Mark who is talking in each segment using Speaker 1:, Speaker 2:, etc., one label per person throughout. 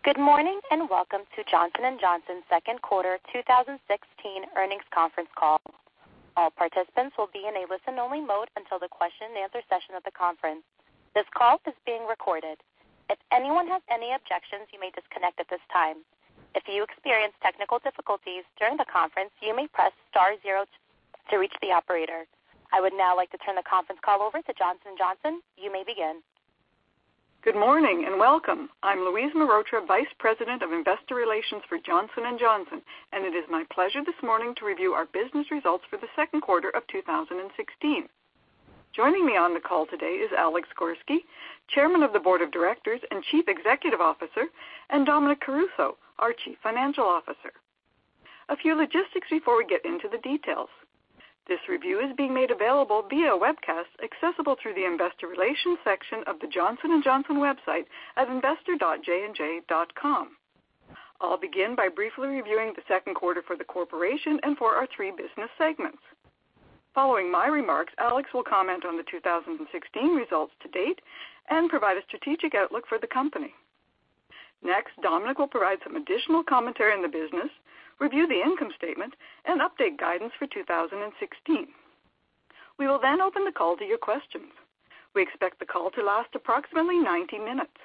Speaker 1: Good morning, welcome to Johnson & Johnson's second quarter 2016 earnings conference call. All participants will be in a listen-only mode until the question and answer session of the conference. This call is being recorded. If anyone has any objections, you may disconnect at this time. If you experience technical difficulties during the conference, you may press star zero to reach the operator. I would now like to turn the conference call over to Johnson & Johnson. You may begin.
Speaker 2: Good morning, welcome. I'm Louise Mehrotra, Vice President of Investor Relations for Johnson & Johnson, it is my pleasure this morning to review our business results for the second quarter of 2016. Joining me on the call today is Alex Gorsky, Chairman of the Board of Directors and Chief Executive Officer, Dominic Caruso, our Chief Financial Officer. A few logistics before we get into the details. This review is being made available via a webcast accessible through the investor relations section of the Johnson & Johnson website at investor.jandj.com. I'll begin by briefly reviewing the second quarter for the corporation and for our three business segments. Following my remarks, Alex will comment on the 2016 results to date and provide a strategic outlook for the company. Next, Dominic will provide some additional commentary on the business, review the income statement, and update guidance for 2016. We will open the call to your questions. We expect the call to last approximately 90 minutes.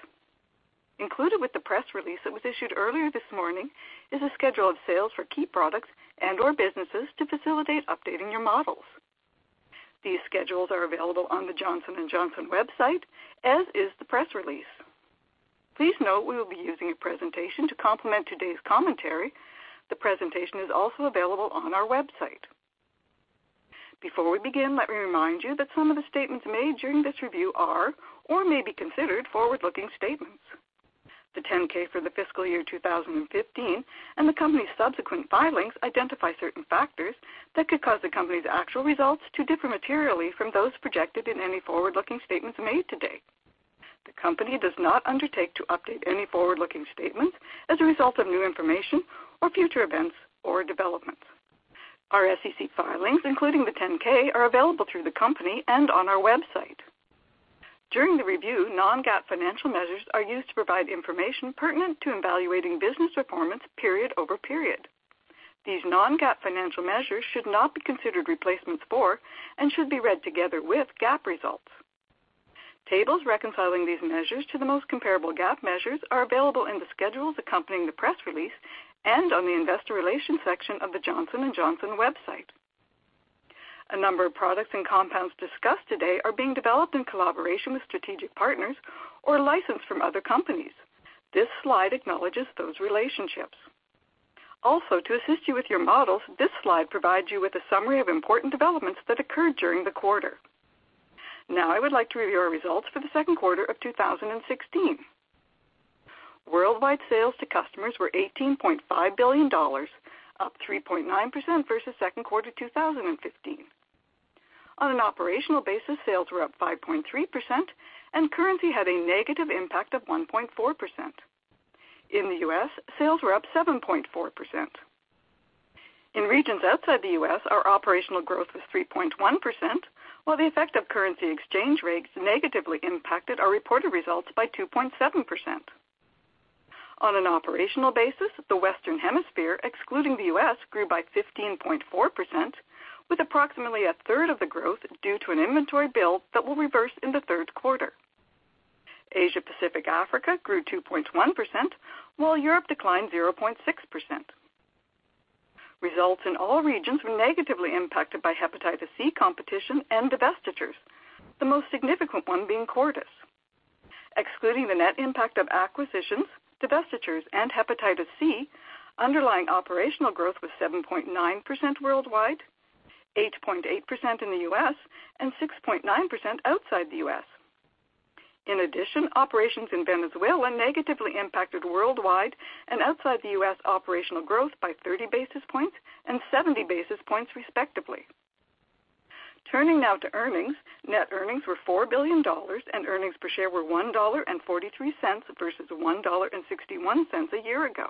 Speaker 2: Included with the press release that was issued earlier this morning is a schedule of sales for key products and/or businesses to facilitate updating your models. These schedules are available on the Johnson & Johnson website, as is the press release. Please note we will be using a presentation to complement today's commentary. The presentation is also available on our website. Before we begin, let me remind you that some of the statements made during this review are or may be considered forward-looking statements. The 10-K for the fiscal year 2015 and the company's subsequent filings identify certain factors that could cause the company's actual results to differ materially from those projected in any forward-looking statements made today. The company does not undertake to update any forward-looking statements as a result of new information or future events or developments. Our SEC filings, including the 10-K, are available through the company and on our website. During the review, non-GAAP financial measures are used to provide information pertinent to evaluating business performance period over period. These non-GAAP financial measures should not be considered replacements for and should be read together with GAAP results. Tables reconciling these measures to the most comparable GAAP measures are available in the schedules accompanying the press release and on the investor relations section of the Johnson & Johnson website. A number of products and compounds discussed today are being developed in collaboration with strategic partners or licensed from other companies. This slide acknowledges those relationships. To assist you with your models, this slide provides you with a summary of important developments that occurred during the quarter. Now I would like to review our results for the second quarter of 2016. Worldwide sales to customers were $18.5 billion, up 3.9% versus second quarter 2015. On an operational basis, sales were up 5.3%, and currency had a negative impact of 1.4%. In the U.S., sales were up 7.4%. In regions outside the U.S., our operational growth was 3.1%, while the effect of currency exchange rates negatively impacted our reported results by 2.7%. On an operational basis, the Western Hemisphere, excluding the U.S., grew by 15.4%, with approximately a third of the growth due to an inventory build that will reverse in the third quarter. Asia Pacific Africa grew 2.1%, while Europe declined 0.6%. Results in all regions were negatively impacted by hepatitis C competition and divestitures, the most significant one being Cordis. Excluding the net impact of acquisitions, divestitures, and hepatitis C, underlying operational growth was 7.9% worldwide, 8.8% in the U.S., and 6.9% outside the U.S. Operations in Venezuela negatively impacted worldwide and outside the U.S. operational growth by 30 basis points and 70 basis points, respectively. Turning now to earnings. Net earnings were $4 billion, and earnings per share were $1.43 versus $1.61 a year ago.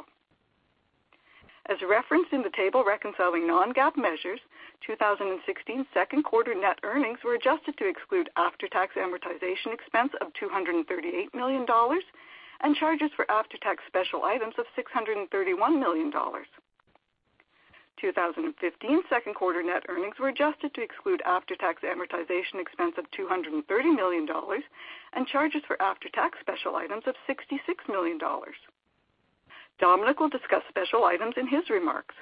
Speaker 2: As referenced in the table reconciling non-GAAP measures, 2016 second quarter net earnings were adjusted to exclude after-tax amortization expense of $238 million and charges for after-tax special items of $631 million. 2015 second quarter net earnings were adjusted to exclude after-tax amortization expense of $230 million and charges for after-tax special items of $66 million. Dominic will discuss special items in his remarks.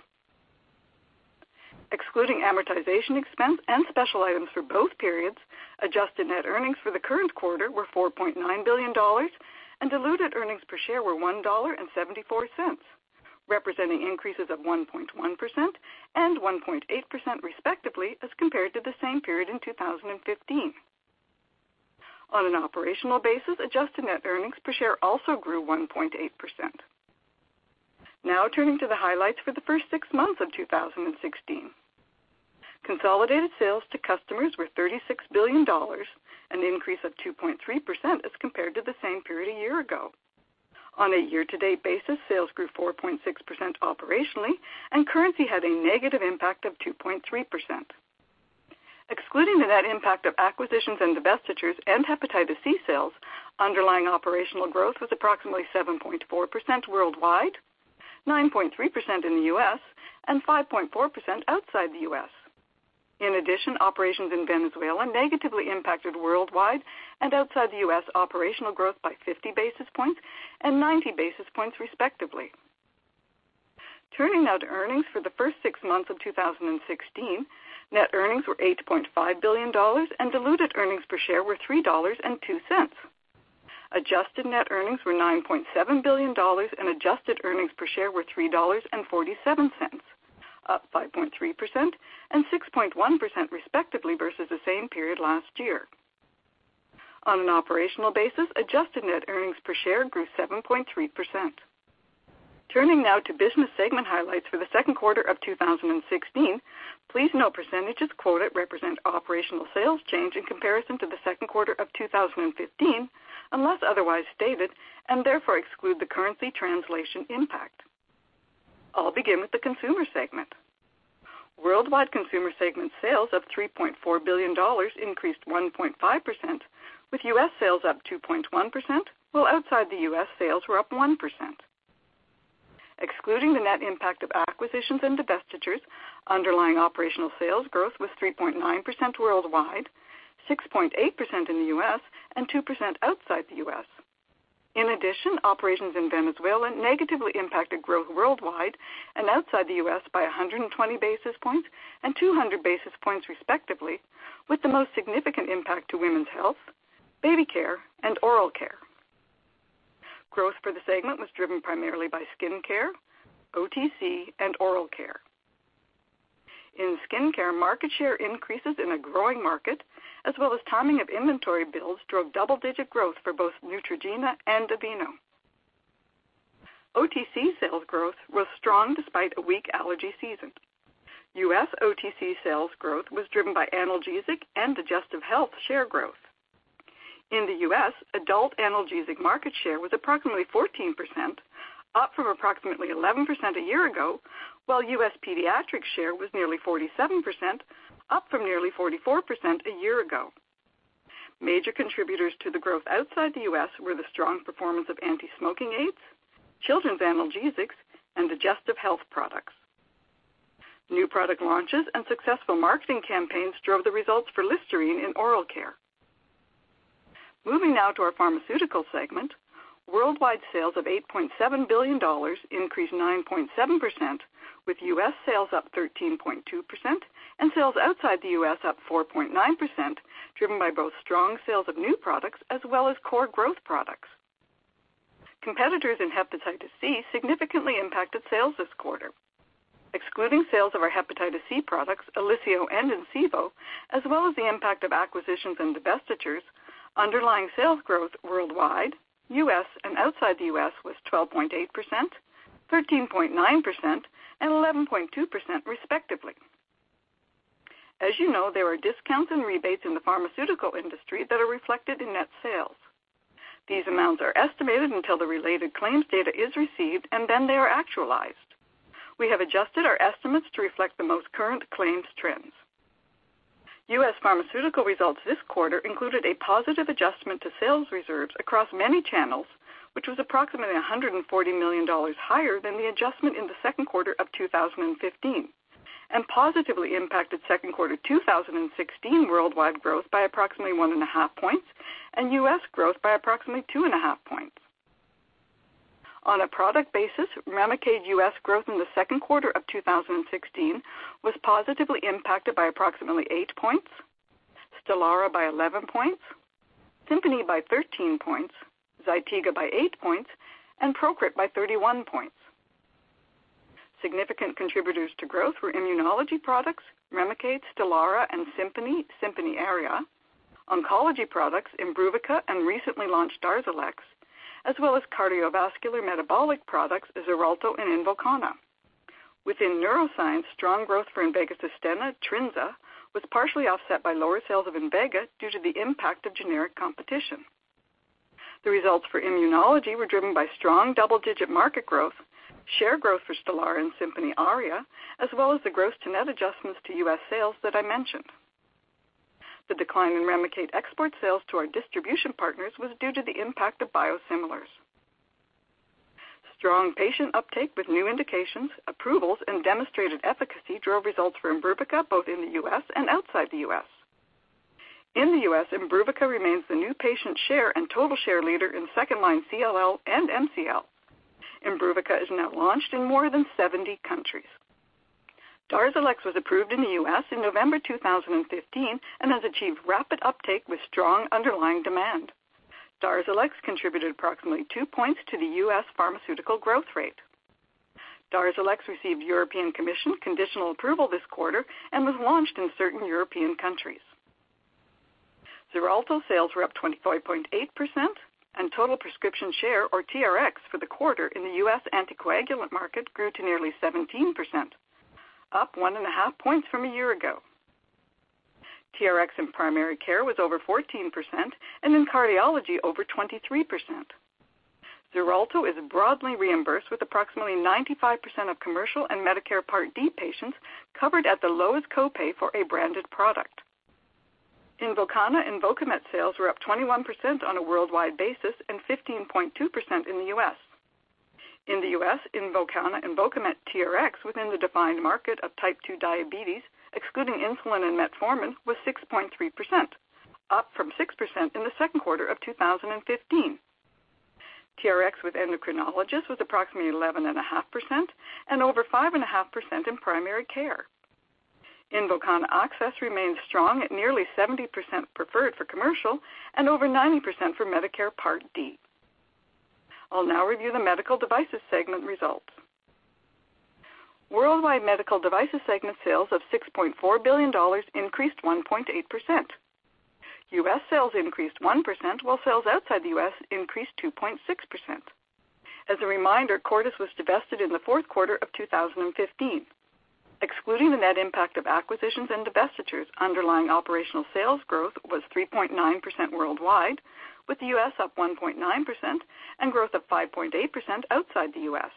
Speaker 2: Excluding amortization expense and special items for both periods, adjusted net earnings for the current quarter were $4.9 billion, and diluted earnings per share were $1.74, representing increases of 1.1% and 1.8% respectively as compared to the same period in 2015. On an operational basis, adjusted net earnings per share also grew 1.8%. Turning to the highlights for the first six months of 2016. Consolidated sales to customers were $36 billion, an increase of 2.3% as compared to the same period a year ago. On a year-to-date basis, sales grew 4.6% operationally, and currency had a negative impact of 2.3%. Excluding the net impact of acquisitions and divestitures and hepatitis C sales, underlying operational growth was approximately 7.4% worldwide, 9.3% in the U.S., and 5.4% outside the U.S. Operations in Venezuela negatively impacted worldwide and outside the U.S. operational growth by 50 basis points and 90 basis points, respectively. Turning now to earnings for the first six months of 2016, net earnings were $8.5 billion, and diluted earnings per share were $3.02. Adjusted net earnings were $9.7 billion, and adjusted earnings per share were $3.47, up 5.3% and 6.1%, respectively, versus the same period last year. On an operational basis, adjusted net earnings per share grew 7.3%. Turning now to business segment highlights for the second quarter of 2016. Please note percentages quoted represent operational sales change in comparison to the second quarter of 2015, unless otherwise stated, and therefore exclude the currency translation impact. I'll begin with the consumer segment. Worldwide consumer segment sales of $3.4 billion increased 1.5%, with U.S. sales up 2.1%, while outside the U.S., sales were up 1%. Excluding the net impact of acquisitions and divestitures, underlying operational sales growth was 3.9% worldwide, 6.8% in the U.S., and 2% outside the U.S. In addition, operations in Venezuela negatively impacted growth worldwide and outside the U.S. by 120 basis points and 200 basis points, respectively, with the most significant impact to women's health, baby care, and oral care. Growth for the segment was driven primarily by skincare, OTC, and oral care. In skincare, market share increases in a growing market, as well as timing of inventory builds drove double-digit growth for both Neutrogena and Aveeno. OTC sales growth was strong despite a weak allergy season. U.S. OTC sales growth was driven by analgesic and digestive health share growth. In the U.S., adult analgesic market share was approximately 14%, up from approximately 11% a year ago, while U.S. pediatric share was nearly 47%, up from nearly 44% a year ago. Major contributors to the growth outside the U.S. were the strong performance of anti-smoking aids, children's analgesics, and digestive health products. New product launches and successful marketing campaigns drove the results for Listerine and oral care. Moving now to our pharmaceutical segment. Worldwide sales of $8.7 billion increased 9.7%, with U.S. sales up 13.2% and sales outside the U.S. up 4.9%, driven by both strong sales of new products as well as core growth products. Competitors in hepatitis C significantly impacted sales this quarter. Excluding sales of our hepatitis C products, OLYSIO and INCIVO, as well as the impact of acquisitions and divestitures, underlying sales growth worldwide, U.S., and outside the U.S. was 12.8%, 13.9%, and 11.2%, respectively. As you know, there are discounts and rebates in the pharmaceutical industry that are reflected in net sales. These amounts are estimated until the related claims data is received, and then they are actualized. We have adjusted our estimates to reflect the most current claims trends. U.S. pharmaceutical results this quarter included a positive adjustment to sales reserves across many channels, which was approximately $140 million higher than the adjustment in the second quarter of 2015, and positively impacted second quarter 2016 worldwide growth by approximately 1.5 points and U.S. growth by approximately 2.5 points. On a product basis, REMICADE U.S. growth in the second quarter of 2016 was positively impacted by approximately eight points, STELARA by 11 points, SIMPONI by 13 points, ZYTIGA by eight points, and PROCRIT by 31 points. Significant contributors to growth were immunology products, REMICADE, STELARA, and SIMPONI/SIMPONI ARIA, oncology products IMBRUVICA and recently launched DARZALEX, as well as cardiovascular metabolic products XARELTO and INVOKANA. Within neuroscience, strong growth for INVEGA SUSTENNA, INVEGA TRINZA was partially offset by lower sales of INVEGA due to the impact of generic competition. The results for immunology were driven by strong double-digit market growth, share growth for STELARA and SIMPONI ARIA, as well as the gross-to-net adjustments to U.S. sales that I mentioned. The decline in REMICADE export sales to our distribution partners was due to the impact of biosimilars. Strong patient uptake with new indications, approvals, and demonstrated efficacy drove results for IMBRUVICA both in the U.S. and outside the U.S. In the U.S., IMBRUVICA remains the new patient share and total share leader in second-line CLL and MCL. IMBRUVICA is now launched in more than 70 countries. DARZALEX was approved in the U.S. in November 2015 and has achieved rapid uptake with strong underlying demand. DARZALEX contributed approximately two points to the U.S. pharmaceutical growth rate. DARZALEX received European Commission conditional approval this quarter and was launched in certain European countries. Total prescription share, or TRX, for the quarter in the U.S. anticoagulant market grew to nearly 17%, up 1.5 points from a year ago. TRX in primary care was over 14%, and in cardiology over 23%. XARELTO is broadly reimbursed with approximately 95% of commercial and Medicare Part D patients covered at the lowest copay for a branded product. INVOKANA and INVOKAMET sales were up 21% on a worldwide basis and 15.2% in the U.S. In the U.S., INVOKANA and INVOKAMET TRX within the defined market of type 2 diabetes, excluding insulin and metformin, was 6.3%, up from 6% in the second quarter of 2015. TRX with endocrinologists was approximately 11.5% and over 5.5% in primary care. INVOKANA access remains strong at nearly 70% preferred for commercial and over 90% for Medicare Part D. I'll now review the medical devices segment results. Worldwide medical devices segment sales of $6.4 billion increased 1.8%. U.S. sales increased 1%, while sales outside the U.S. increased 2.6%. As a reminder, Cordis was divested in the fourth quarter of 2015. Excluding the net impact of acquisitions and divestitures, underlying operational sales growth was 3.9% worldwide, with the U.S. up 1.9% and growth of 5.8% outside the U.S.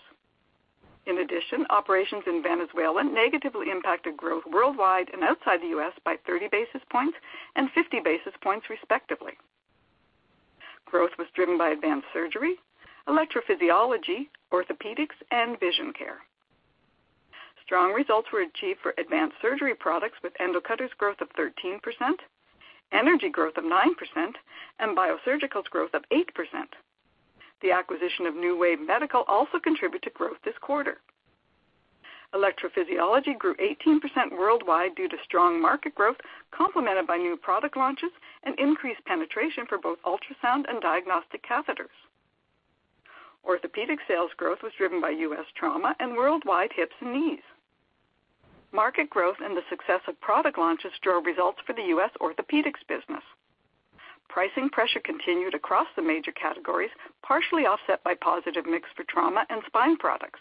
Speaker 2: Operations in Venezuela negatively impacted growth worldwide and outside the U.S. by 30 basis points and 50 basis points respectively. Growth was driven by advanced surgery, electrophysiology, orthopedics, and vision care. Strong results were achieved for advanced surgery products with endo cutters growth of 13%, energy growth of 9%, and biosurgical growth of 8%. The acquisition of NeuWave Medical also contributed to growth this quarter. Electrophysiology grew 18% worldwide due to strong market growth, complemented by new product launches and increased penetration for both ultrasound and diagnostic catheters. Orthopedic sales growth was driven by U.S. trauma and worldwide hips and knees. Market growth and the success of product launches drove results for the U.S. orthopedics business. Pricing pressure continued across the major categories, partially offset by positive mix for trauma and spine products.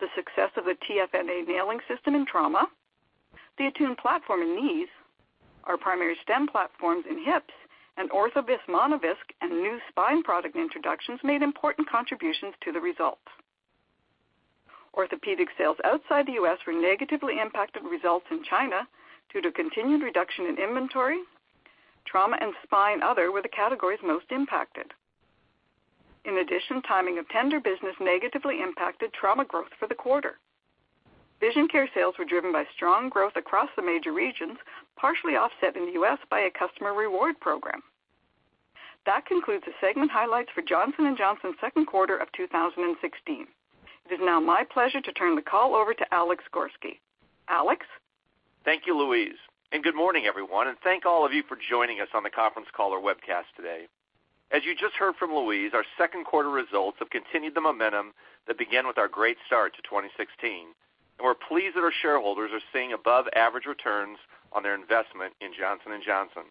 Speaker 2: The success of the TFNA nailing system in trauma, the ATTUNE platform in knees, our primary stem platforms in hips, ORTHOVISC MONOVISC and new spine product introductions made important contributions to the results. Orthopedic sales outside the U.S. were negatively impacted results in China due to continued reduction in inventory. Trauma, and Spine, Other were the categories most impacted. Timing of tender business negatively impacted trauma growth for the quarter. Vision care sales were driven by strong growth across the major regions, partially offset in the U.S. by a customer reward program. That concludes the segment highlights for Johnson & Johnson's second quarter of 2016. It is now my pleasure to turn the call over to Alex Gorsky. Alex?
Speaker 3: Thank you, Louise. Good morning, everyone, and thank all of you for joining us on the conference call or webcast today. As you just heard from Louise, our second quarter results have continued the momentum that began with our great start to 2016. We're pleased that our shareholders are seeing above-average returns on their investment in Johnson & Johnson.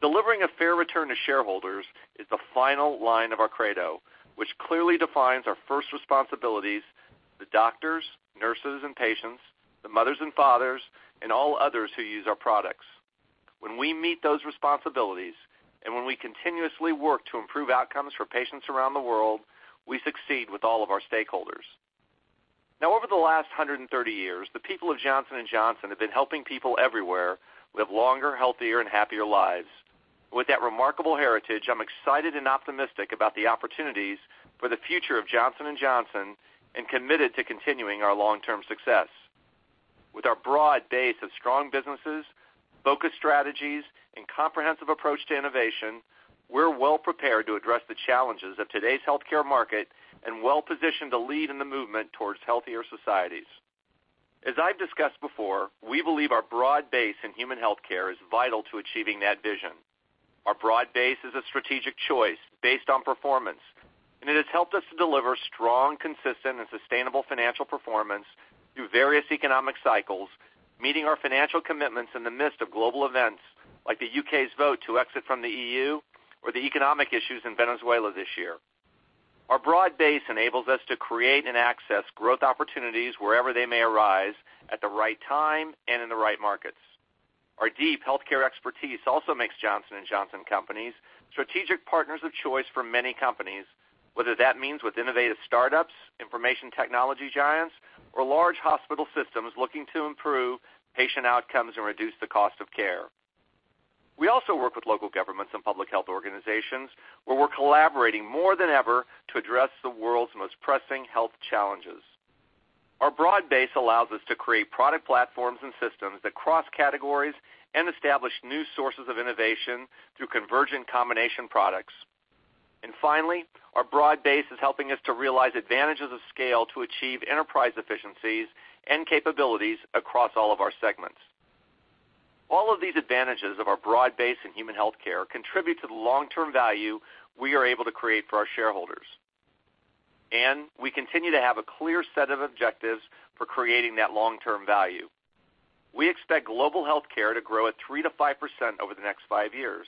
Speaker 3: Delivering a fair return to shareholders is the final line of our Credo, which clearly defines our first responsibilities, the doctors, nurses, and patients, the mothers and fathers, and all others who use our products. When we meet those responsibilities and when we continuously work to improve outcomes for patients around the world, we succeed with all of our stakeholders. Over the last 130 years, the people of Johnson & Johnson have been helping people everywhere live longer, healthier and happier lives. With that remarkable heritage, I'm excited and optimistic about the opportunities for the future of Johnson & Johnson and committed to continuing our long-term success. With our broad base of strong businesses, focused strategies, and comprehensive approach to innovation, we're well prepared to address the challenges of today's healthcare market. Well-positioned to lead in the movement towards healthier societies. As I've discussed before, we believe our broad base in human healthcare is vital to achieving that vision. Our broad base is a strategic choice based on performance. It has helped us to deliver strong, consistent, and sustainable financial performance through various economic cycles, meeting our financial commitments in the midst of global events like the U.K.'s vote to exit from the EU or the economic issues in Venezuela this year. Our broad base enables us to create and access growth opportunities wherever they may arise at the right time and in the right markets. Our deep healthcare expertise also makes Johnson & Johnson companies strategic partners of choice for many companies, whether that means with innovative startups, information technology giants, or large hospital systems looking to improve patient outcomes and reduce the cost of care. We also work with local governments and public health organizations, where we're collaborating more than ever to address the world's most pressing health challenges. Our broad base allows us to create product platforms and systems that cross categories and establish new sources of innovation through convergent combination products. Finally, our broad base is helping us to realize advantages of scale to achieve enterprise efficiencies and capabilities across all of our segments. All of these advantages of our broad base in human healthcare contribute to the long-term value we are able to create for our shareholders. We continue to have a clear set of objectives for creating that long-term value. We expect global healthcare to grow at 3%-5% over the next five years.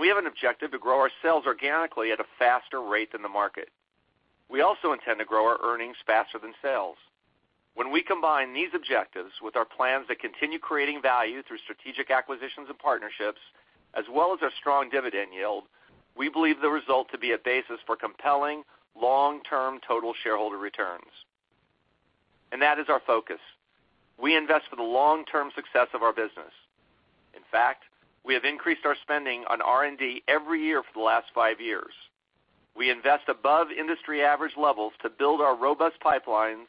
Speaker 3: We have an objective to grow our sales organically at a faster rate than the market. We also intend to grow our earnings faster than sales. When we combine these objectives with our plans to continue creating value through strategic acquisitions and partnerships, as well as our strong dividend yield, we believe the result to be a basis for compelling long-term total shareholder returns. That is our focus. We invest for the long-term success of our business. In fact, we have increased our spending on R&D every year for the last five years. We invest above industry average levels to build our robust pipelines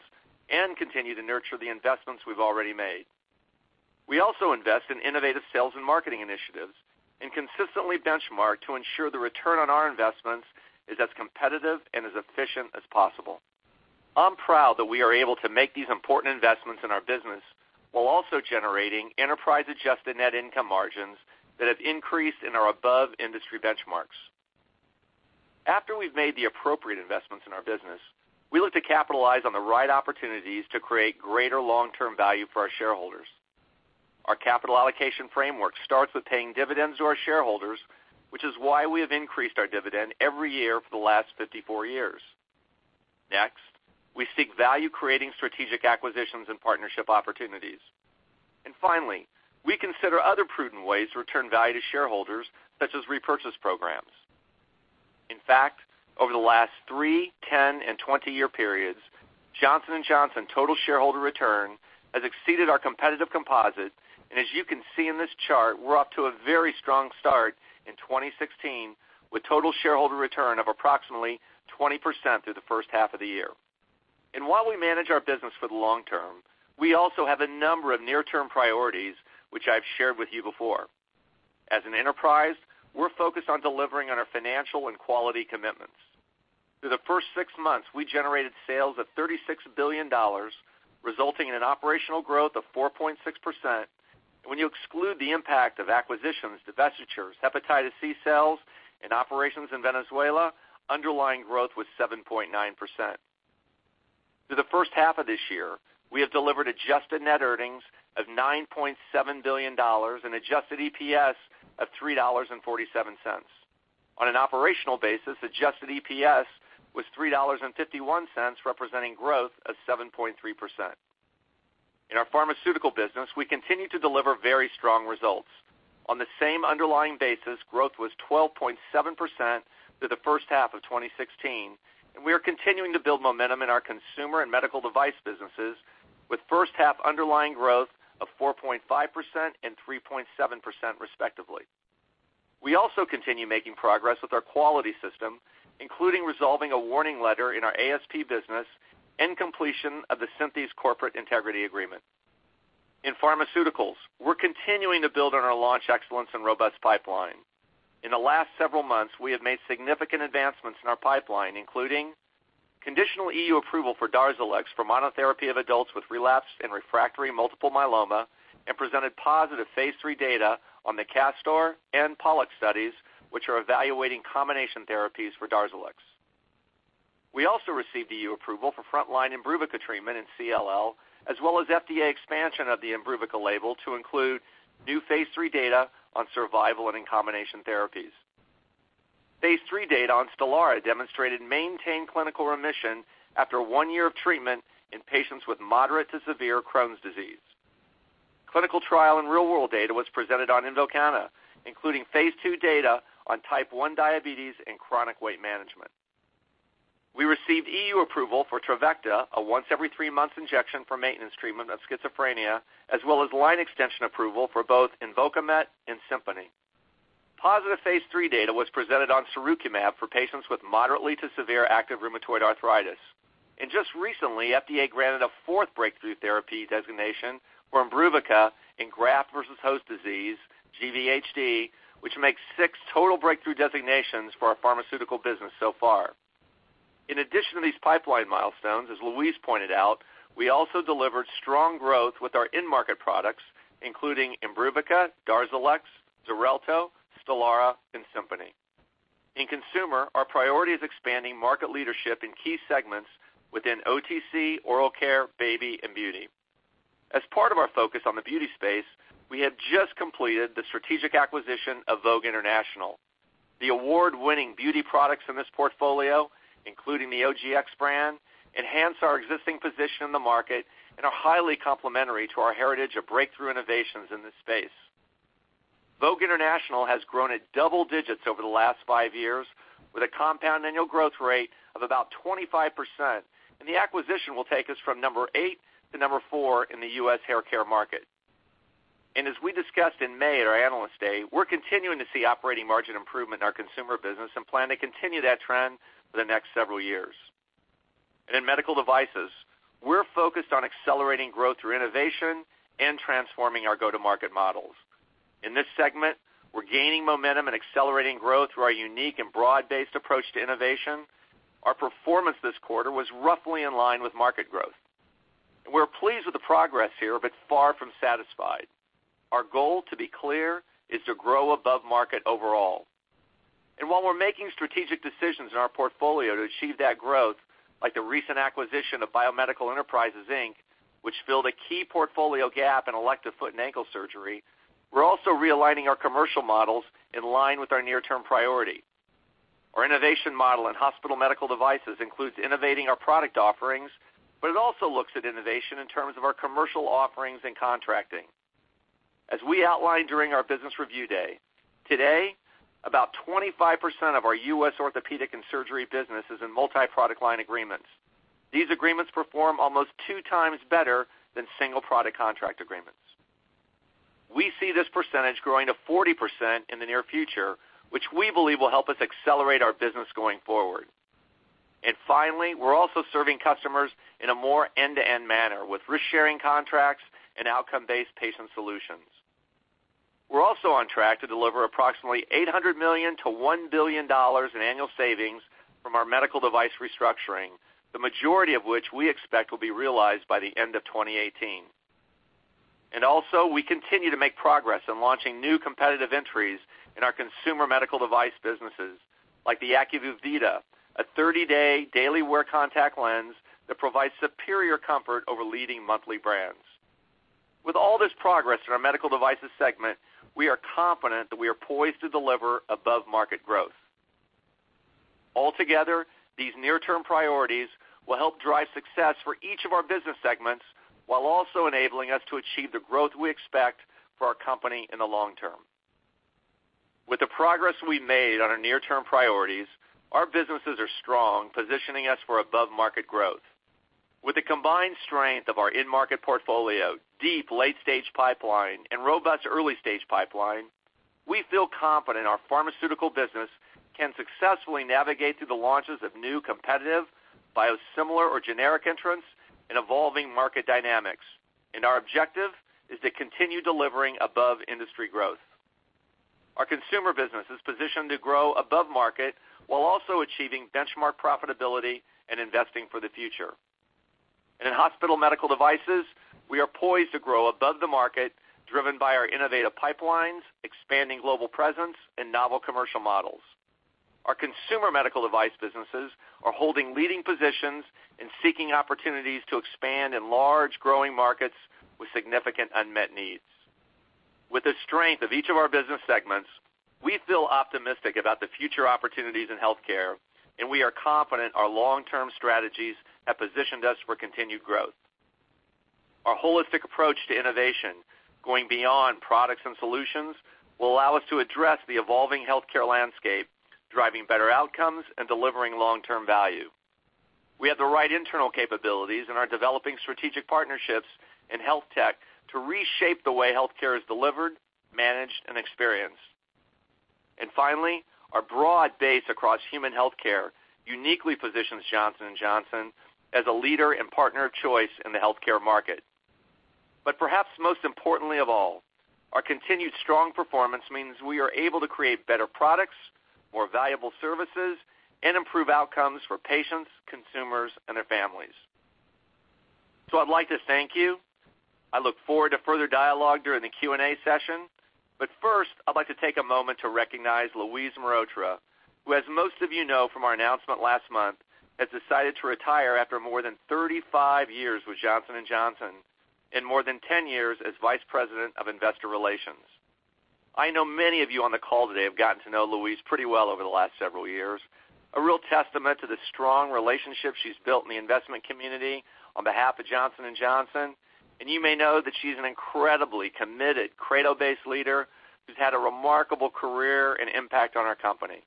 Speaker 3: and continue to nurture the investments we've already made. We also invest in innovative sales and marketing initiatives and consistently benchmark to ensure the return on our investments is as competitive and as efficient as possible. I'm proud that we are able to make these important investments in our business while also generating enterprise-adjusted net income margins that have increased and are above industry benchmarks. After we've made the appropriate investments in our business, we look to capitalize on the right opportunities to create greater long-term value for our shareholders. Our capital allocation framework starts with paying dividends to our shareholders, which is why we have increased our dividend every year for the last 54 years. Next, we seek value-creating strategic acquisitions and partnership opportunities. Finally, we consider other prudent ways to return value to shareholders, such as repurchase programs. In fact, over the last three, 10, and 20-year periods, Johnson & Johnson total shareholder return has exceeded our competitive composite. As you can see in this chart, we're off to a very strong start in 2016, with total shareholder return of approximately 20% through the first half of the year. While we manage our business for the long term, we also have a number of near-term priorities, which I've shared with you before. As an enterprise, we're focused on delivering on our financial and quality commitments. Through the first six months, we generated sales of $36 billion, resulting in an operational growth of 4.6%. When you exclude the impact of acquisitions, divestitures, hepatitis C sales, and operations in Venezuela, underlying growth was 7.9%. Through the first half of this year, we have delivered adjusted net earnings of $9.7 billion and adjusted EPS of $3.47. On an operational basis, adjusted EPS was $3.51, representing growth of 7.3%. In our pharmaceutical business, we continue to deliver very strong results. On the same underlying basis, growth was 12.7% through the first half of 2016, and we are continuing to build momentum in our consumer and medical device businesses with first half underlying growth of 4.5% and 3.7%, respectively. We also continue making progress with our quality system, including resolving a warning letter in our ASP business and completion of the Synthes Corporate Integrity Agreement. In pharmaceuticals, we're continuing to build on our launch excellence and robust pipeline. In the last several months, we have made significant advancements in our pipeline, including conditional EU approval for DARZALEX for monotherapy of adults with relapsed and refractory multiple myeloma, and presented positive Phase III data on the CASTOR and POLLUX studies, which are evaluating combination therapies for DARZALEX. We also received EU approval for frontline IMBRUVICA treatment in CLL, as well as FDA expansion of the IMBRUVICA label to include new Phase III data on survival and in combination therapies. Phase III data on STELARA demonstrated maintained clinical remission after one year of treatment in patients with moderate to severe Crohn's disease. Clinical trial and real-world data was presented on INVOKANA, including Phase II data on type 1 diabetes and chronic weight management. We received EU approval for TREVICTA, a once every 3 months injection for maintenance treatment of schizophrenia, as well as line extension approval for both INVOKAMET and SIMPONI. Positive phase III data was presented on sirukumab for patients with moderately to severe active rheumatoid arthritis. Just recently, FDA granted a fourth breakthrough therapy designation for IMBRUVICA in graft versus host disease, GVHD, which makes 6 total breakthrough designations for our pharmaceutical business so far. In addition to these pipeline milestones, as Louise pointed out, we also delivered strong growth with our end-market products, including IMBRUVICA, DARZALEX, XARELTO, STELARA, and SIMPONI. In consumer, our priority is expanding market leadership in key segments within OTC, oral care, baby, and beauty. As part of our focus on the beauty space, we have just completed the strategic acquisition of Vogue International. The award-winning beauty products in this portfolio, including the OGX brand, enhance our existing position in the market and are highly complementary to our heritage of breakthrough innovations in this space. Vogue International has grown at double digits over the last 5 years, with a compound annual growth rate of about 25%, and the acquisition will take us from number 8 to number 4 in the U.S. haircare market. As we discussed in May at our Analyst Day, we're continuing to see operating margin improvement in our consumer business and plan to continue that trend for the next several years. In medical devices, we're focused on accelerating growth through innovation and transforming our go-to-market models. In this segment, we're gaining momentum and accelerating growth through our unique and broad-based approach to innovation. Our performance this quarter was roughly in line with market growth. We're pleased with the progress here, but far from satisfied. Our goal, to be clear, is to grow above market overall. While we're making strategic decisions in our portfolio to achieve that growth, like the recent acquisition of BioMedical Enterprises, Inc. which fill the key portfolio gap in elective foot and ankle surgery, we're also realigning our commercial models in line with our near-term priority. Our innovation model in hospital medical devices includes innovating our product offerings, but it also looks at innovation in terms of our commercial offerings and contracting. As we outlined during our business review day, today, about 25% of our U.S. orthopedic and surgery business is in multi-product line agreements. These agreements perform almost 2 times better than single product contract agreements. We see this percentage growing to 40% in the near future, which we believe will help us accelerate our business going forward. Finally, we're also serving customers in a more end-to-end manner with risk-sharing contracts and outcome-based patient solutions. We're also on track to deliver approximately $800 million to $1 billion in annual savings from our medical device restructuring, the majority of which we expect will be realized by the end of 2018. Also, we continue to make progress in launching new competitive entries in our consumer medical device businesses, like the ACUVUE VITA, a 30-day daily wear contact lens that provides superior comfort over leading monthly brands. With all this progress in our medical devices segment, we are confident that we are poised to deliver above-market growth. Altogether, these near-term priorities will help drive success for each of our business segments while also enabling us to achieve the growth we expect for our company in the long term. With the progress we made on our near-term priorities, our businesses are strong, positioning us for above-market growth. With the combined strength of our in-market portfolio, deep late-stage pipeline, and robust early-stage pipeline, we feel confident our pharmaceutical business can successfully navigate through the launches of new competitive biosimilar or generic entrants and evolving market dynamics. Our objective is to continue delivering above-industry growth. Our consumer business is positioned to grow above market while also achieving benchmark profitability and investing for the future. In hospital medical devices, we are poised to grow above the market, driven by our innovative pipelines, expanding global presence, and novel commercial models. Our consumer medical device businesses are holding leading positions and seeking opportunities to expand in large growing markets with significant unmet needs. With the strength of each of our business segments, we feel optimistic about the future opportunities in healthcare. We are confident our long-term strategies have positioned us for continued growth. Our holistic approach to innovation, going beyond products and solutions, will allow us to address the evolving healthcare landscape, driving better outcomes and delivering long-term value. We have the right internal capabilities and are developing strategic partnerships in health tech to reshape the way healthcare is delivered, managed, and experienced. Finally, our broad base across human healthcare uniquely positions Johnson & Johnson as a leader and partner of choice in the healthcare market. Perhaps most importantly of all, our continued strong performance means we are able to create better products, more valuable services, and improve outcomes for patients, consumers, and their families. I'd like to thank you. I look forward to further dialogue during the Q&A session. First, I'd like to take a moment to recognize Louise Mehrotra, who as most of you know from our announcement last month, has decided to retire after more than 35 years with Johnson & Johnson and more than 10 years as Vice President of Investor Relations. I know many of you on the call today have gotten to know Louise pretty well over the last several years, a real testament to the strong relationship she's built in the investment community on behalf of Johnson & Johnson. You may know that she's an incredibly committed credo-based leader who's had a remarkable career and impact on our company.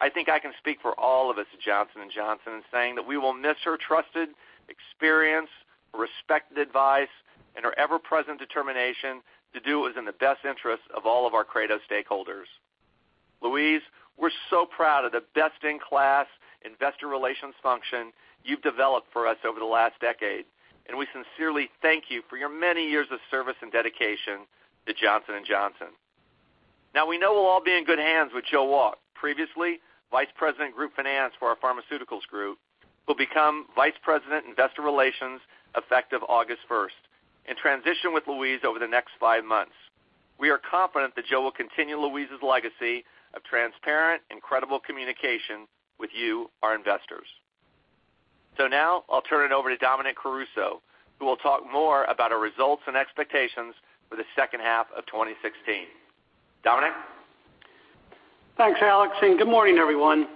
Speaker 3: I think I can speak for all of us at Johnson & Johnson in saying that we will miss her trusted experience, respected advice, and her ever-present determination to do what is in the best interest of all of our credo stakeholders. Louise, we're so proud of the best-in-class investor relations function you've developed for us over the last decade. We sincerely thank you for your many years of service and dedication to Johnson & Johnson. Now we know we'll all be in good hands with Joe Wolk, previously Vice President Group Finance for our pharmaceuticals group, who will become Vice President Investor Relations effective August 1st and transition with Louise over the next five months. We are confident that Joe will continue Louise's legacy of transparent and credible communication with you, our investors. I'll turn it over to Dominic Caruso, who will talk more about our results and expectations for the second half of 2016. Dominic?
Speaker 4: Thanks, Alex, and good morning, everyone.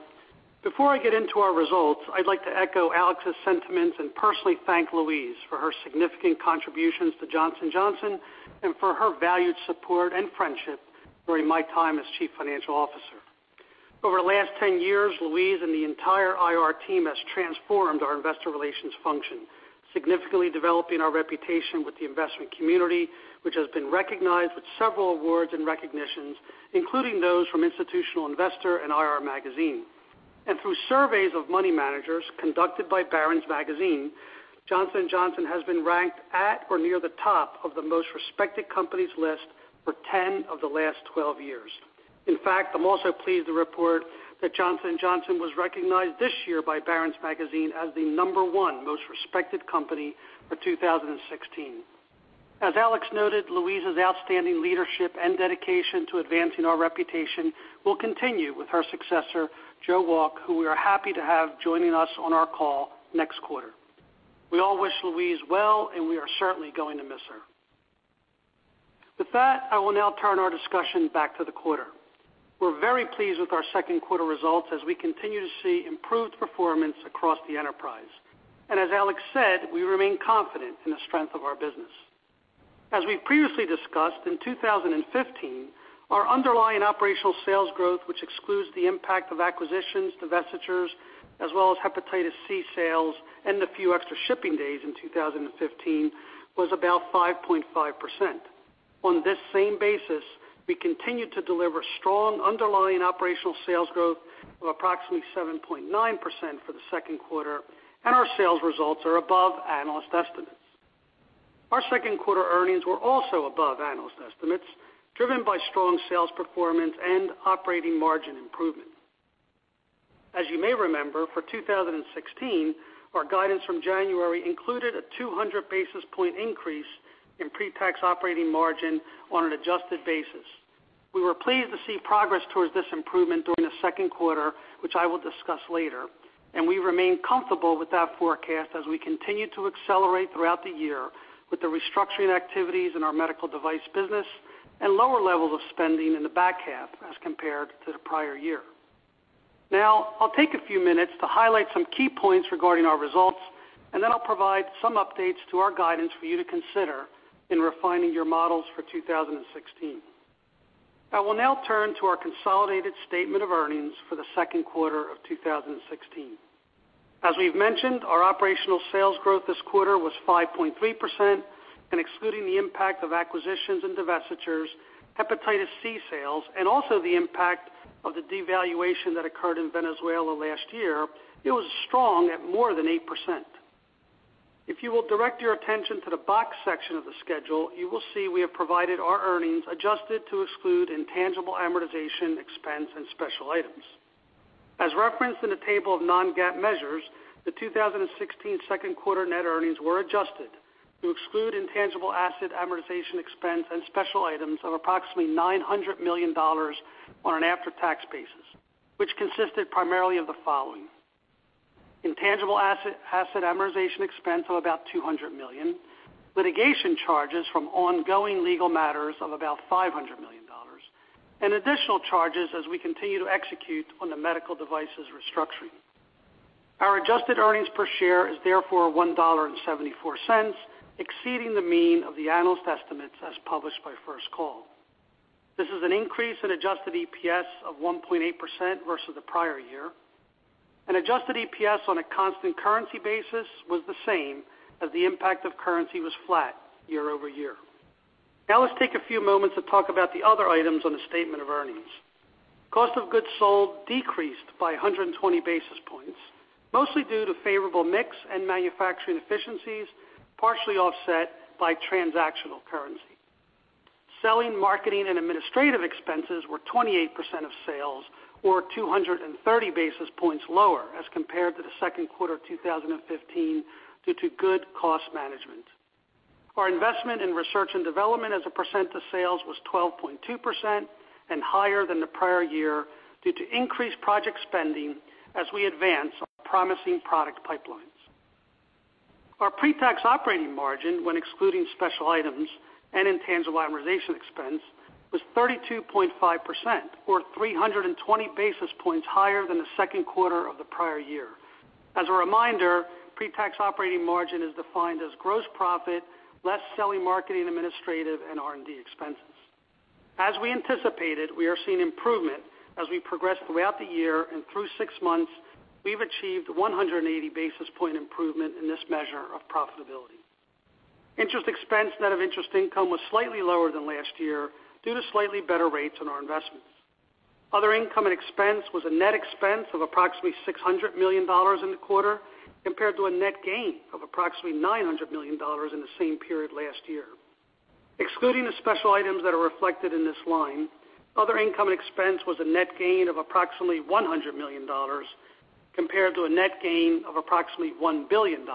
Speaker 4: Before I get into our results, I'd like to echo Alex's sentiments and personally thank Louise for her significant contributions to Johnson & Johnson and for her valued support and friendship during my time as Chief Financial Officer. Over the last 10 years, Louise and the entire IR team has transformed our investor relations function, significantly developing our reputation with the investment community, which has been recognized with several awards and recognitions, including those from "Institutional Investor" and "IR Magazine". Through surveys of money managers conducted by "Barron's" magazine, Johnson & Johnson has been ranked at or near the top of the most respected companies list for 10 of the last 12 years. In fact, I'm also pleased to report that Johnson & Johnson was recognized this year by "Barron's" magazine as the number one most respected company for 2016. As Alex noted, Louise's outstanding leadership and dedication to advancing our reputation will continue with her successor, Joe Wolk, who we are happy to have joining us on our call next quarter. We all wish Louise well, and we are certainly going to miss her. With that, I will now turn our discussion back to the quarter. We're very pleased with our second quarter results as we continue to see improved performance across the enterprise. As Alex said, we remain confident in the strength of our business. As we've previously discussed, in 2015, our underlying operational sales growth, which excludes the impact of acquisitions, divestitures, as well as hepatitis C sales and the few extra shipping days in 2015, was about 5.5%. On this same basis, we continue to deliver strong underlying operational sales growth of approximately 7.9% for the second quarter, and our sales results are above analyst estimates. Our second quarter earnings were also above analyst estimates, driven by strong sales performance and operating margin improvement. As you may remember, for 2016, our guidance from January included a 200 basis point increase in pre-tax operating margin on an adjusted basis. We were pleased to see progress towards this improvement during the second quarter, which I will discuss later, and we remain comfortable with that forecast as we continue to accelerate throughout the year with the restructuring activities in our medical device business and lower levels of spending in the back half as compared to the prior year. I will take a few minutes to highlight some key points regarding our results, then I will provide some updates to our guidance for you to consider in refining your models for 2016. I will now turn to our consolidated statement of earnings for the second quarter of 2016. As we've mentioned, our operational sales growth this quarter was 5.3%. Excluding the impact of acquisitions and divestitures, hepatitis C sales, and also the impact of the devaluation that occurred in Venezuela last year, it was strong at more than 8%. If you will direct your attention to the box section of the schedule, you will see we have provided our earnings adjusted to exclude intangible amortization expense and special items. As referenced in the table of non-GAAP measures, the 2016 second quarter net earnings were adjusted to exclude intangible asset amortization expense and special items of approximately $900 million on an after-tax basis, which consisted primarily of the following: Intangible asset amortization expense of about $200 million, litigation charges from ongoing legal matters of about $500 million, and additional charges as we continue to execute on the medical devices restructuring. Our adjusted earnings per share is therefore $1.74, exceeding the mean of the analyst estimates as published by First Call. This is an increase in adjusted EPS of 1.8% versus the prior year. Adjusted EPS on a constant currency basis was the same as the impact of currency was flat year-over-year. Let's take a few moments to talk about the other items on the statement of earnings. Cost of goods sold decreased by 120 basis points, mostly due to favorable mix and manufacturing efficiencies, partially offset by transactional currency. Selling, marketing, and administrative expenses were 28% of sales or 230 basis points lower as compared to the second quarter 2015 due to good cost management. Our investment in research and development as a percent of sales was 12.2%. Higher than the prior year due to increased project spending as we advance our promising product pipelines. Our pre-tax operating margin, when excluding special items and intangible amortization expense, was 32.5%, or 320 basis points higher than the second quarter of the prior year. As a reminder, pre-tax operating margin is defined as gross profit, less selling, marketing, administrative, and R&D expenses. As we anticipated, we are seeing improvement as we progress throughout the year and through six months, we've achieved 180 basis point improvement in this measure of profitability. Interest expense, net of interest income was slightly lower than last year due to slightly better rates on our investments. Other income and expense was a net expense of approximately $600 million in the quarter compared to a net gain of approximately $900 million in the same period last year. Excluding the special items that are reflected in this line, other income and expense was a net gain of approximately $100 million compared to a net gain of approximately $1 billion